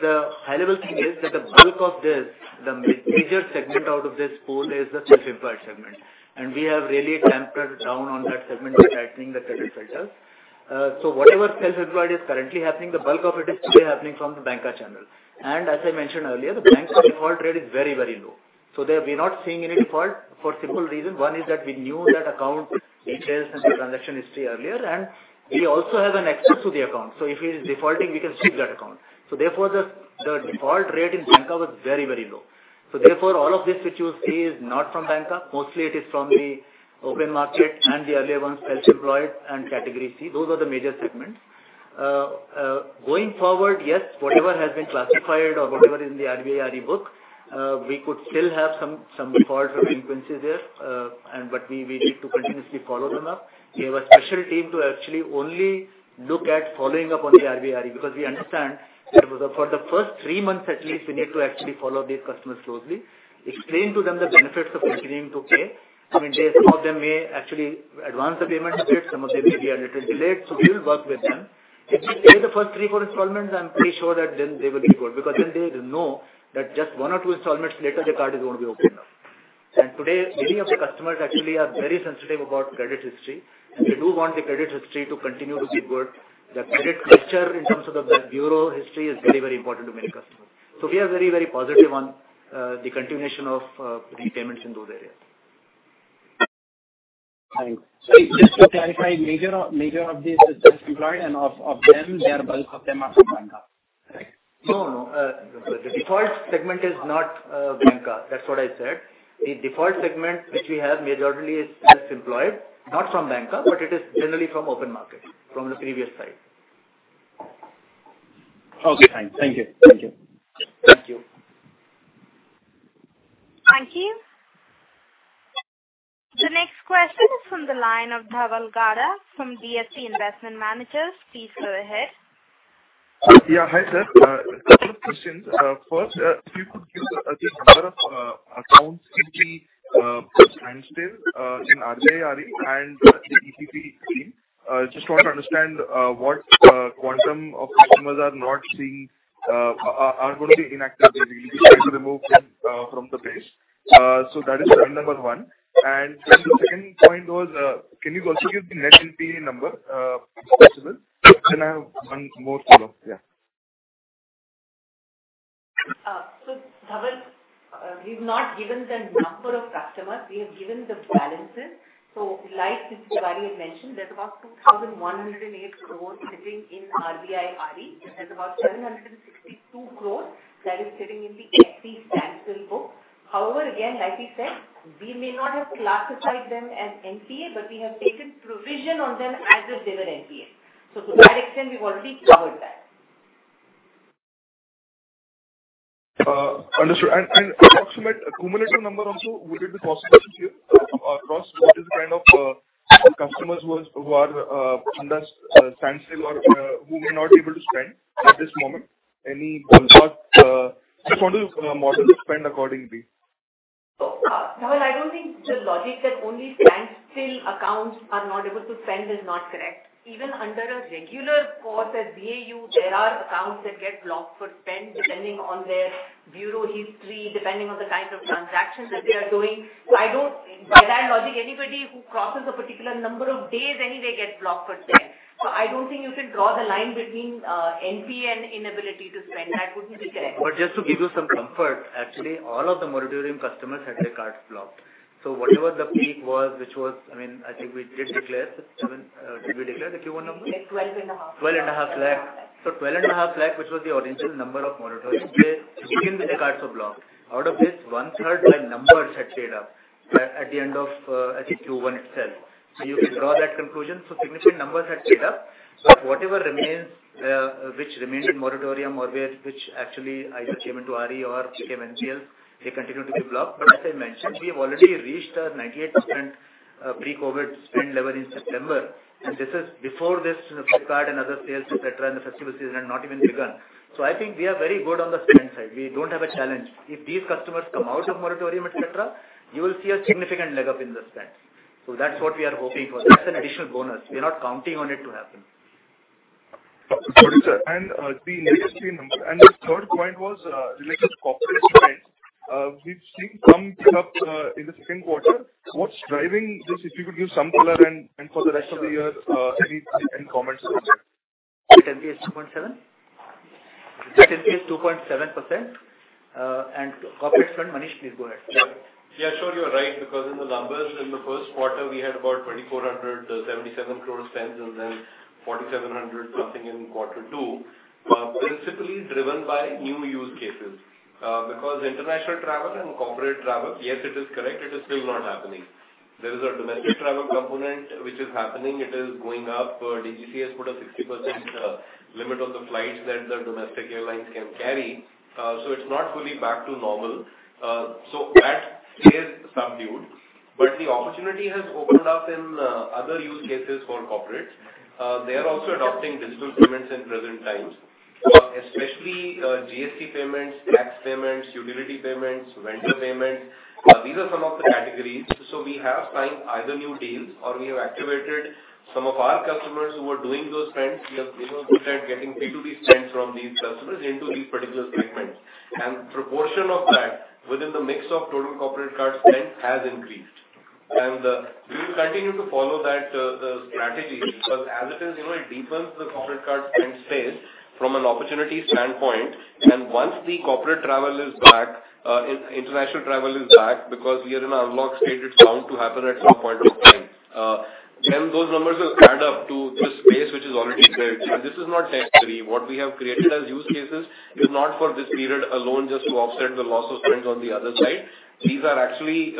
The high-level thing is that the bulk of this, the major segment out of this pool is the self-employed segment. We have really tempered down on that segment by tightening the credit filters. Whatever self-employed is currently happening, the bulk of it is today happening from the banca channel. As I mentioned earlier, the banca default rate is very low. We're not seeing any default for simple reasons. One is that we knew that account details and the transaction history earlier, and we also have an access to the account. If he's defaulting, we can seize that account. Therefore, the default rate in banca was very low. Therefore, all of this which you see is not from banca. Mostly it is from the open market and the earlier ones, self-employed and category C. Those are the major segments. Going forward, yes, whatever has been classified or whatever is in the RBI RE book, we could still have some defaults or delinquencies there, but we need to continuously follow them up. We have a special team to actually only look at following up on the RBI RE because we understand that for the first three months at least, we need to actually follow these customers closely, explain to them the benefits of continuing to pay. Some of them may actually advance the payment date, some of them may be a little delayed, so we will work with them. If they pay the first three, four installments, I'm pretty sure that then they will be good because then they know that just one or two installments later, the card is going to be open now. Today, many of the customers actually are very sensitive about credit history and they do want the credit history to continue to be good. The credit culture in terms of the bureau history is very important to many customers. We are very positive on the continuation of repayments in those areas. Thanks. Just to clarify, major of these is self-employed and of them, the bulk of them are from banca, correct? No. The default segment is not banca, that's what I said. The default segment which we have majorly is self-employed, not from banca, but it is generally from open market, from the previous side. Okay, fine. Thank you. Thank you. Thank you. The next question is from the line of Dhaval Gada from DSP Investment Managers. Please go ahead. Hi, sir. A couple of questions. First, if you could give the number of accounts in the standstill in RBI RE and the ETC scheme. Just want to understand what quantum of customers are going to be inactive, they will be trying to remove from the base. That is point number one. The second point was, can you also give the net NPA number if possible? I have one more follow-up, yeah. Dhaval, we've not given the number of customers, we have given the balances. Like Mr. Tewari had mentioned, there's about 2,108 crores sitting in RBI RE and there's about 762 crores that is sitting in the SC standstill book. However, again, like we said, we may not have classified them as NPA, but we have taken provision on them as if they were NPA. To that extent, we've already covered that. Understood. Approximate cumulative number also, would it be possible to share across what is the kind of customers who are under standstill or who may not be able to spend at this moment? Just want to model the spend accordingly. Dhaval, I don't think the logic that only standstill accounts are not able to spend is not correct. Even under a regular course at BAU, there are accounts that get blocked for spend depending on their bureau history, depending on the kind of transactions that they are doing. By that logic, anybody who crosses a particular number of days anyway gets blocked for spend. I don't think you can draw the line between NPA and inability to spend. That wouldn't be correct. Just to give you some comfort, actually, all of the moratorium customers had their cards blocked. Whatever the peak was, which was, I think we did declare, did we declare the Q1 number? It's 12.5 lakh. 12.5 lakh. 12.5 lakh, which was the original number of moratoriums, they even their cards were blocked. Out of this, 1/3 by numbers had paid up at the end of, I think Q1 itself. You can draw that conclusion. Significant numbers had paid up. Whatever remains, which remained in moratorium or which actually either came into RBI RE or became NPL, they continued to be blocked. As I mentioned, we have already reached our 98% pre-COVID spend level in September, and this is before this Flipkart and other sales, et cetera, and the festival season had not even begun. I think we are very good on the spend side. We don't have a challenge. If these customers come out of moratorium, et cetera, you will see a significant leg up in the spend. That's what we are hoping for. That's an additional bonus. We're not counting on it to happen. Got it, sir. The net stream number. The third point was related to corporate trend. We've seen some pick up in the second quarter. What's driving this? If you could give some color and for the rest of the year, any comments there? Net NPA is 2.7%? Net NPA is 2.7%, and corporate front, Manish, please go ahead. Sure, you are right, because in the numbers in the first quarter, we had about 2,477 crore spends, and then 4,700 something in quarter two, principally driven by new use cases. International travel and corporate travel, yes, it is correct, it is still not happening. There is a domestic travel component which is happening. It is going up. DGCA has put a 60% limit on the flights that the domestic airlines can carry, so it's not fully back to normal. That is subdued. The opportunity has opened up in other use cases for corporates. They are also adopting digital payments in present times, especially GST payments, tax payments, utility payments, vendor payments. These are some of the categories. We have signed either new deals or we have activated some of our customers who were doing those spends because they were good at getting B2B spends from these customers into these particular segments. Proportion of that within the mix of total corporate card spend has increased. We will continue to follow that strategy because as it is, it deepens the corporate card spend space from an opportunity standpoint. Once the corporate travel is back, international travel is back, because we are in unlock state, it's bound to happen at some point of time. Those numbers will add up to the space which is already there. This is not temporary. What we have created as use cases is not for this period alone just to offset the loss of spends on the other side. These are actually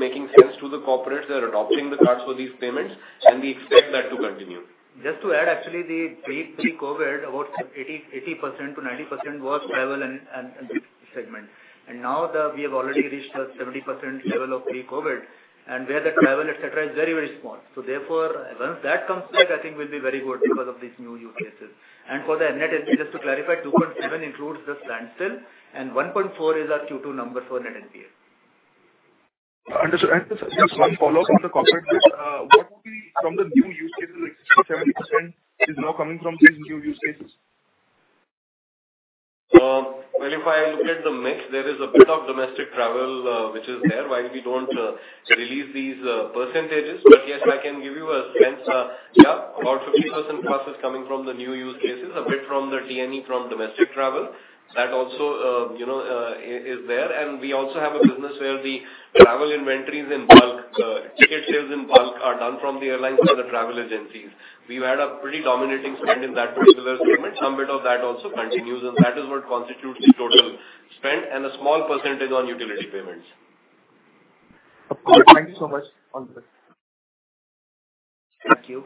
making sense to the corporates. They're adopting the cards for these payments, and we expect that to continue. Just to add, actually, the pre-COVID, about 80%-90% was travel and business segment. Now we have already reached a 70% level of pre-COVID, and where the travel, et cetera, is very small. Once that comes back, I think we'll be very good because of these new use cases. For the Net NPA, just to clarify, 2.7% includes the standstill and 1.4% is our Q2 number for Net NPA. Understood. Just one follow-up on the corporate front. From the new use cases, 70% is now coming from these new use cases? Well, if I look at the mix, there is a bit of domestic travel which is there. While we don't release these percentages, yes, I can give you a spend. About 50%+ is coming from the new use cases, a bit from the T&E, from domestic travel. That also is there. We also have a business where the travel inventories in bulk, ticket sales in bulk are done from the airlines to the travel agencies. We've had a pretty dominating spend in that particular segment. Some bit of that also continues. That is what constitutes the total spend and a small percentage on utility payments. Thank you so much. Thank you.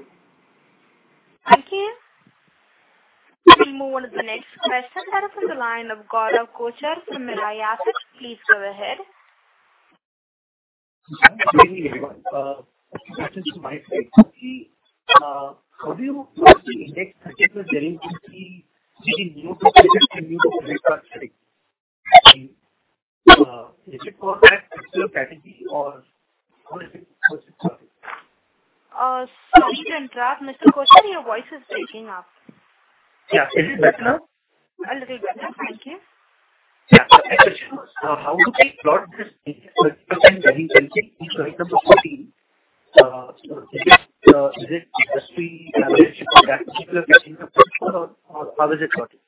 Thank you. We'll move on to the next question that is on the line of Gaurav Kochar from Mirae Asset. Please go ahead. Good morning, everyone. A few questions to my side. How do you plot the index particular during the new-to-credit and new-to-credit card category? Is it for that particular category or how is it plotted? Sorry to interrupt, Mr. Kochar, your voice is breaking up. Yeah. Is it better now? A little better. Thank you. My question was, how do we plot this index during the same slide number 14? Is it industry average for that particular category or how is it plotted?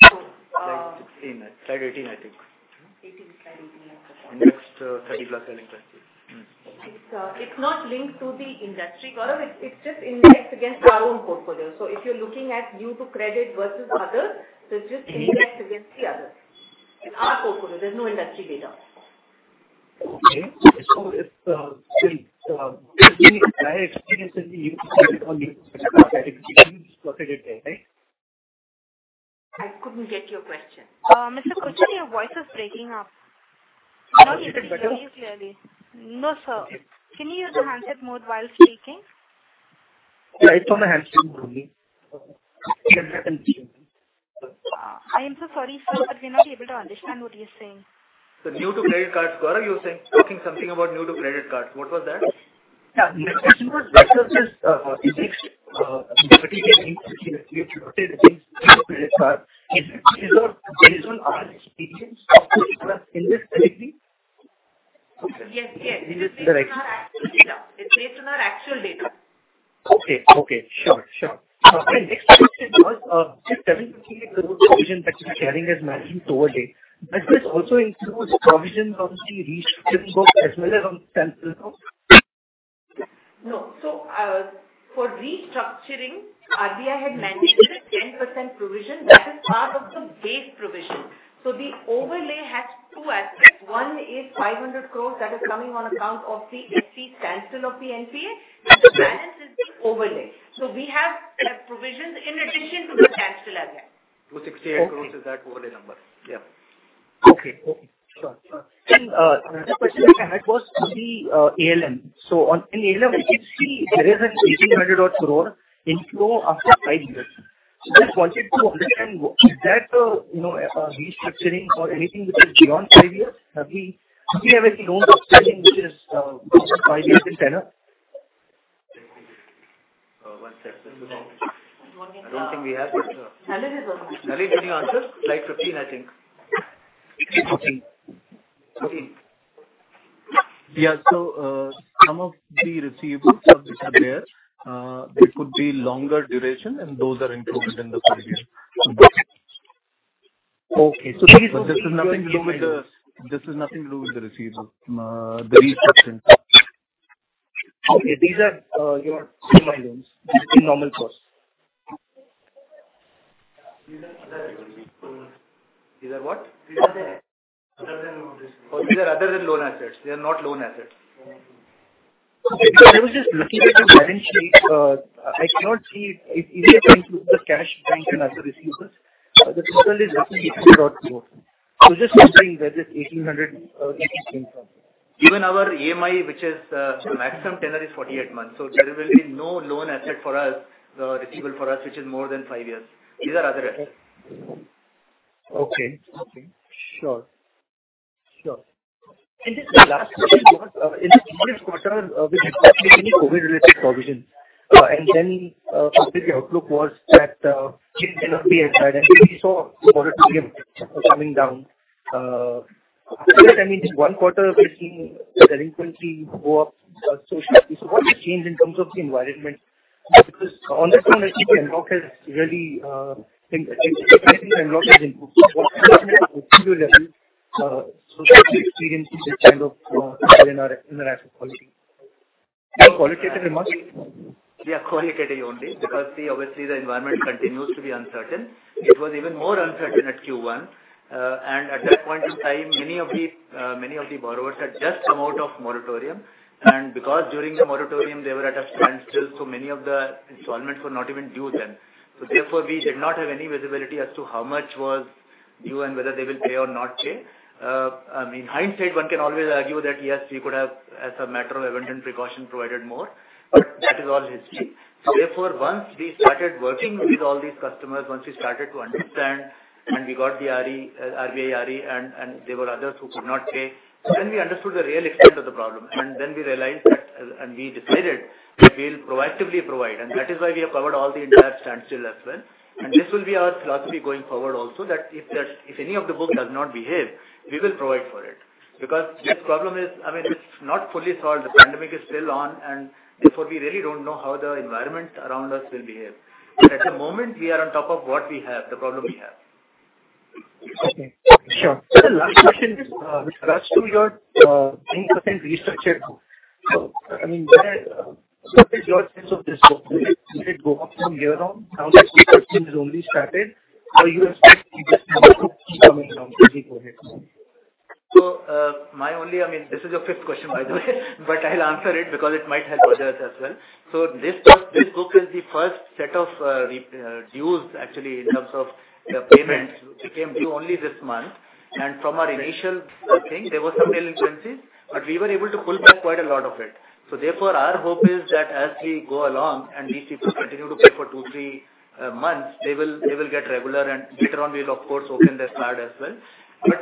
Slide 18, I think. 18. Slide 18. Index 30+ selling practice. It's not linked to the industry, Gaurav. It's just indexed against our own portfolio. If you're looking at new-to-credit versus others, it's just indexed against the others. In our portfolio, there's no industry data. Okay. Still I experienced in the new-to-credit or new-to-credit card category, it is plotted there, right? I couldn't get your question. Mr. Kochar, your voice is breaking up. Is it better? Not able to hear you clearly. No, sir. Can you use the handset mode while speaking? Yeah, it's on the handset only. I am so sorry, sir, but we're not able to understand what you're saying. New-to-credit cards, Gaurav, you were talking something about new-to-credit cards. What was that? My question was, this index in the particular industry that you have plotted against new-to-credit card, there is an average against new-to-credit card in this category? Yes. It's based on our actual data. Okay. Sure. My next question was, just telling me the total provision that you're carrying as 90-day. Does this also includes provision on the restructuring book as well as on standstill book? No. For restructuring, RBI had mandated a 10% provision. That is part of the base provision. The overlay has two aspects. One is 500 crore that is coming on account of the Supreme Court standstill of the NPA, and the balance is the overlay. We have provisions in addition to the standstill as well. 268 crores is that overlay number. Okay. Sure. Another question which I had was on the ALM. In ALM, I can see there is an 1,800 odd crore inflow after five years. I just wanted to understand, is that restructuring or anything which is beyond five years? Have we have anything outstanding which is beyond five years in tenure? One second. I don't think we have it. Nalin is on. Nalin, can you answer? Slide 15, I think. 15. Yeah. Some of the receivables which are there, it could be longer duration and those are included in the four years. Okay. This has nothing to do with the receivable, the receivables. These are your SME loans. These are normal course. These are other loan assets. These are what? These are other than loan assets. Oh, these are other than loan assets. They are not loan assets. No. I was just looking at your balance sheet. I cannot see it. It's either going to be the cash bank and other receivables. The total is 1,800 crore. Just wondering where this 1,800 came from. Even our EMI, which is maximum tenure is 48 months, so there will be no loan asset for us, receivable for us, which is more than five years. These are other assets. Okay. Sure. Just the last question was, in the previous quarter, we did not see any COVID-related provision. Completely outlook was that it cannot be answered. We saw moratorium coming down. After that, I mean, in one quarter, we are seeing delinquency go up. What has changed in terms of the environment? Because on that front, I think the unlock has improved. What has happened at the individual level? How do you experience this kind of in the asset quality? Are you qualifying them? We are qualitating only because obviously the environment continues to be uncertain. It was even more uncertain at Q1. At that point in time, many of the borrowers had just come out of moratorium. Because during the moratorium, they were at a standstill, so many of the installments were not even due then. Therefore, we did not have any visibility as to how much was due and whether they will pay or not pay. I mean, hindsight, one can always argue that, yes, we could have, as a matter of evident precaution, provided more, but that is all history. Therefore, once we started working with all these customers, once we started to understand and we got the RBI RE and there were others who could not pay, then we understood the real extent of the problem. We realized that and we decided that we'll proactively provide, and that is why we have covered all the entire standstill as well. This will be our philosophy going forward also that if any of the book does not behave, we will provide for it. This problem is, I mean, it's not fully solved. The pandemic is still on, and therefore, we really don't know how the environment around us will behave. At the moment, we are on top of what we have, the problem we have. Okay. Sure. Sir, the last question with regards to your 3% restructured book. I mean, what is your sense of this book? Will it go up from here on now that C-15 has only started or you expect it just to keep coming down as we go ahead? My only, I mean, this is your fifth question, by the way, but I'll answer it because it might help others as well. This book is the first set of dues actually in terms of the payments, which became due only this month. From our initial thing, there were some delinquencies, but we were able to pull back quite a lot of it. Therefore, our hope is that as we go along and these people continue to pay for two, three months, they will get regular and later on we will, of course, open their card as well.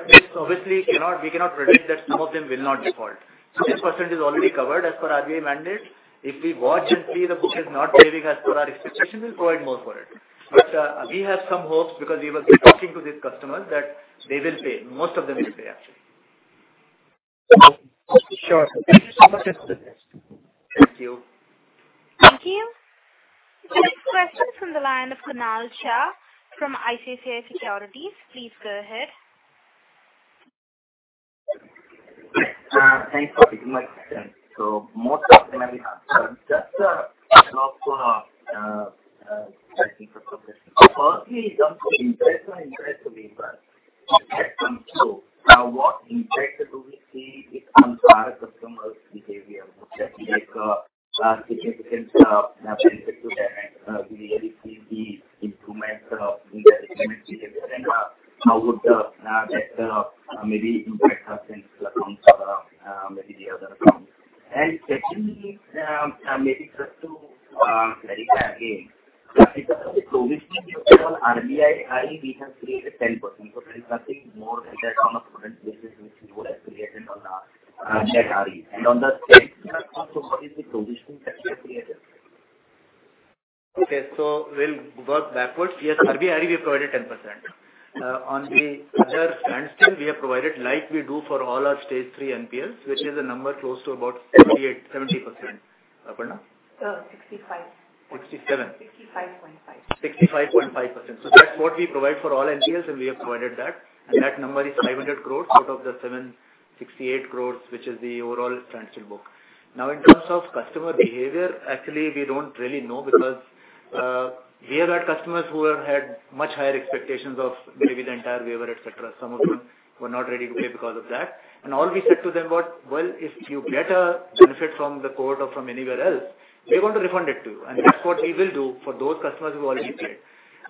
This obviously we cannot predict that some of them will not default. 10% is already covered as per RBI mandate. If we watch and see the book is not behaving as per our expectation, we'll provide more for it. We have some hopes because we were talking to these customers that they will pay. Most of them will pay, actually. Sure. Thank you so much. Thank you. Thank you. The next question from the line of Kunal Shah from ICICI Securities. Please go ahead. Thanks for taking my question. Most of them I already asked. Just to follow up on checking for some of this. Firstly, in terms of interest on interest waiver that comes through, what impact do we see it comes to our customers' behavior? Would that be a significant benefit to them? Do we really see the improvement in their repayment behavior? How would that maybe impact our standstill accounts or maybe the other accounts? Secondly, maybe just to clarify again, in terms of the provisioning you said on RBI RE, we have created 10%. There is nothing more than that on a current basis which you would have created on that RE. On the standstill, what is the provisioning that you have created? Okay. We'll go backwards. Yes, RBI RE, we provided 10%. On the other standstill, we have provided like we do for all our stage three NPLs, which is a number close to about 78%, 70%. Aparna? 65%. 67%. 65.5%. 65.5%. That's what we provide for all NPLs, and we have provided that. That number is 500 crore out of the 768 crore, which is the overall standstill book. In terms of customer behavior, actually, we don't really know because we have had customers who have had much higher expectations of maybe the entire waiver, et cetera. Some of them were not ready to pay because of that. All we said to them was, well, if you get a benefit from the court or from anywhere else, we want to refund it to you. That's what we will do for those customers who already paid.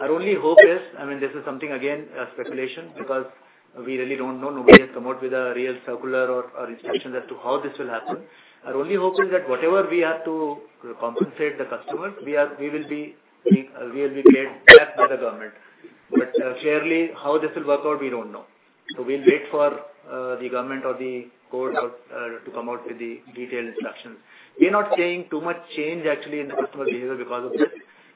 Our only hope is, I mean, this is something, again, a speculation because we really don't know. Nobody has come out with a real circular or instruction as to how this will happen. Our only hope is that whatever we have to compensate the customers, we will be paid back by the government. Fairly how this will work out, we don't know. We'll wait for the government or the court to come out with the detailed instructions. We're not seeing too much change actually in the customer behavior because of this,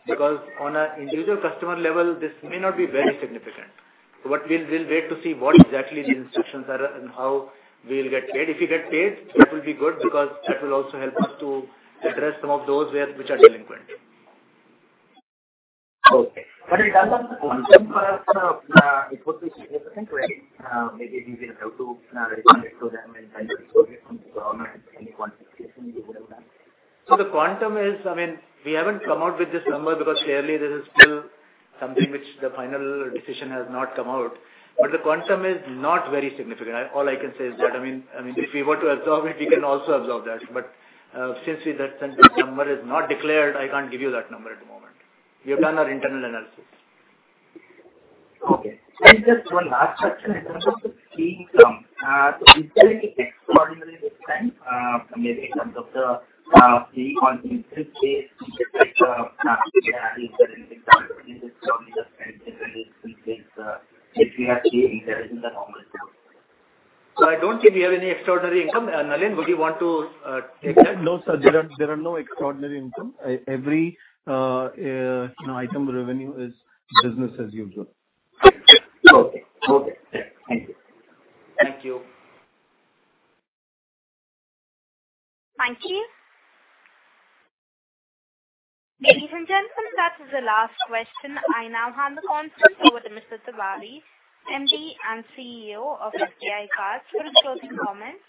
because on an individual customer level, this may not be very significant. What we'll wait to see what exactly the instructions are and how we'll get paid. If we get paid, that will be good because that will also help us to address some of those which are delinquent. Okay. In terms of the quantum, it would be significant, right? Maybe we will have to refund it to them and then recover it from the government any quantification you would have done? The quantum is, we haven't come out with this number because clearly this is still something which the final decision has not come out. The quantum is not very significant. All I can say is that. If we were to absorb it, we can also absorb that. Since that number is not declared, I can't give you that number at the moment. We have done our internal analysis. Okay. Just one last question in terms of the key income. Will it be extraordinarily different, maybe in terms of the pre-interest case, just like we are having extraordinary income, is it probably the same difference which we have seen, which is the normal income? I don't think we have any extraordinary income. Nalin, would you want to take that? No, sir, there are no extraordinary income. Every item of revenue is business as usual. Okay. Thank you. Thank you. Thank you. Ladies and gentlemen, that is the last question. I now hand the conference over to Mr. Tewari, MD and CEO of SBI Card, for his closing comments.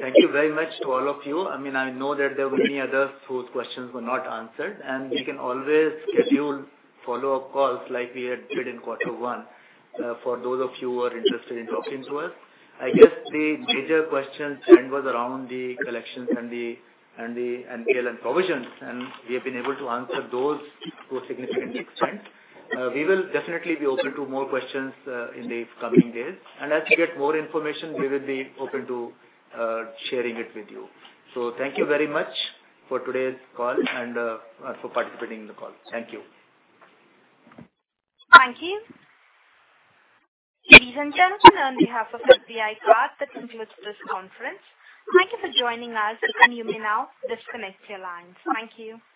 Thank you very much to all of you. I know that there were many others whose questions were not answered, and we can always schedule follow-up calls like we had did in quarter one for those of you who are interested in talking to us. I guess the major question trend was around the collections and the NPA provisions, and we have been able to answer those to a significant extent. We will definitely be open to more questions in the coming days. As we get more information, we will be open to sharing it with you. Thank you very much for today's call and for participating in the call. Thank you. Thank you. Ladies and gentlemen, on behalf of SBI Card, that concludes this conference. Thank you for joining us, and you may now disconnect your lines. Thank you.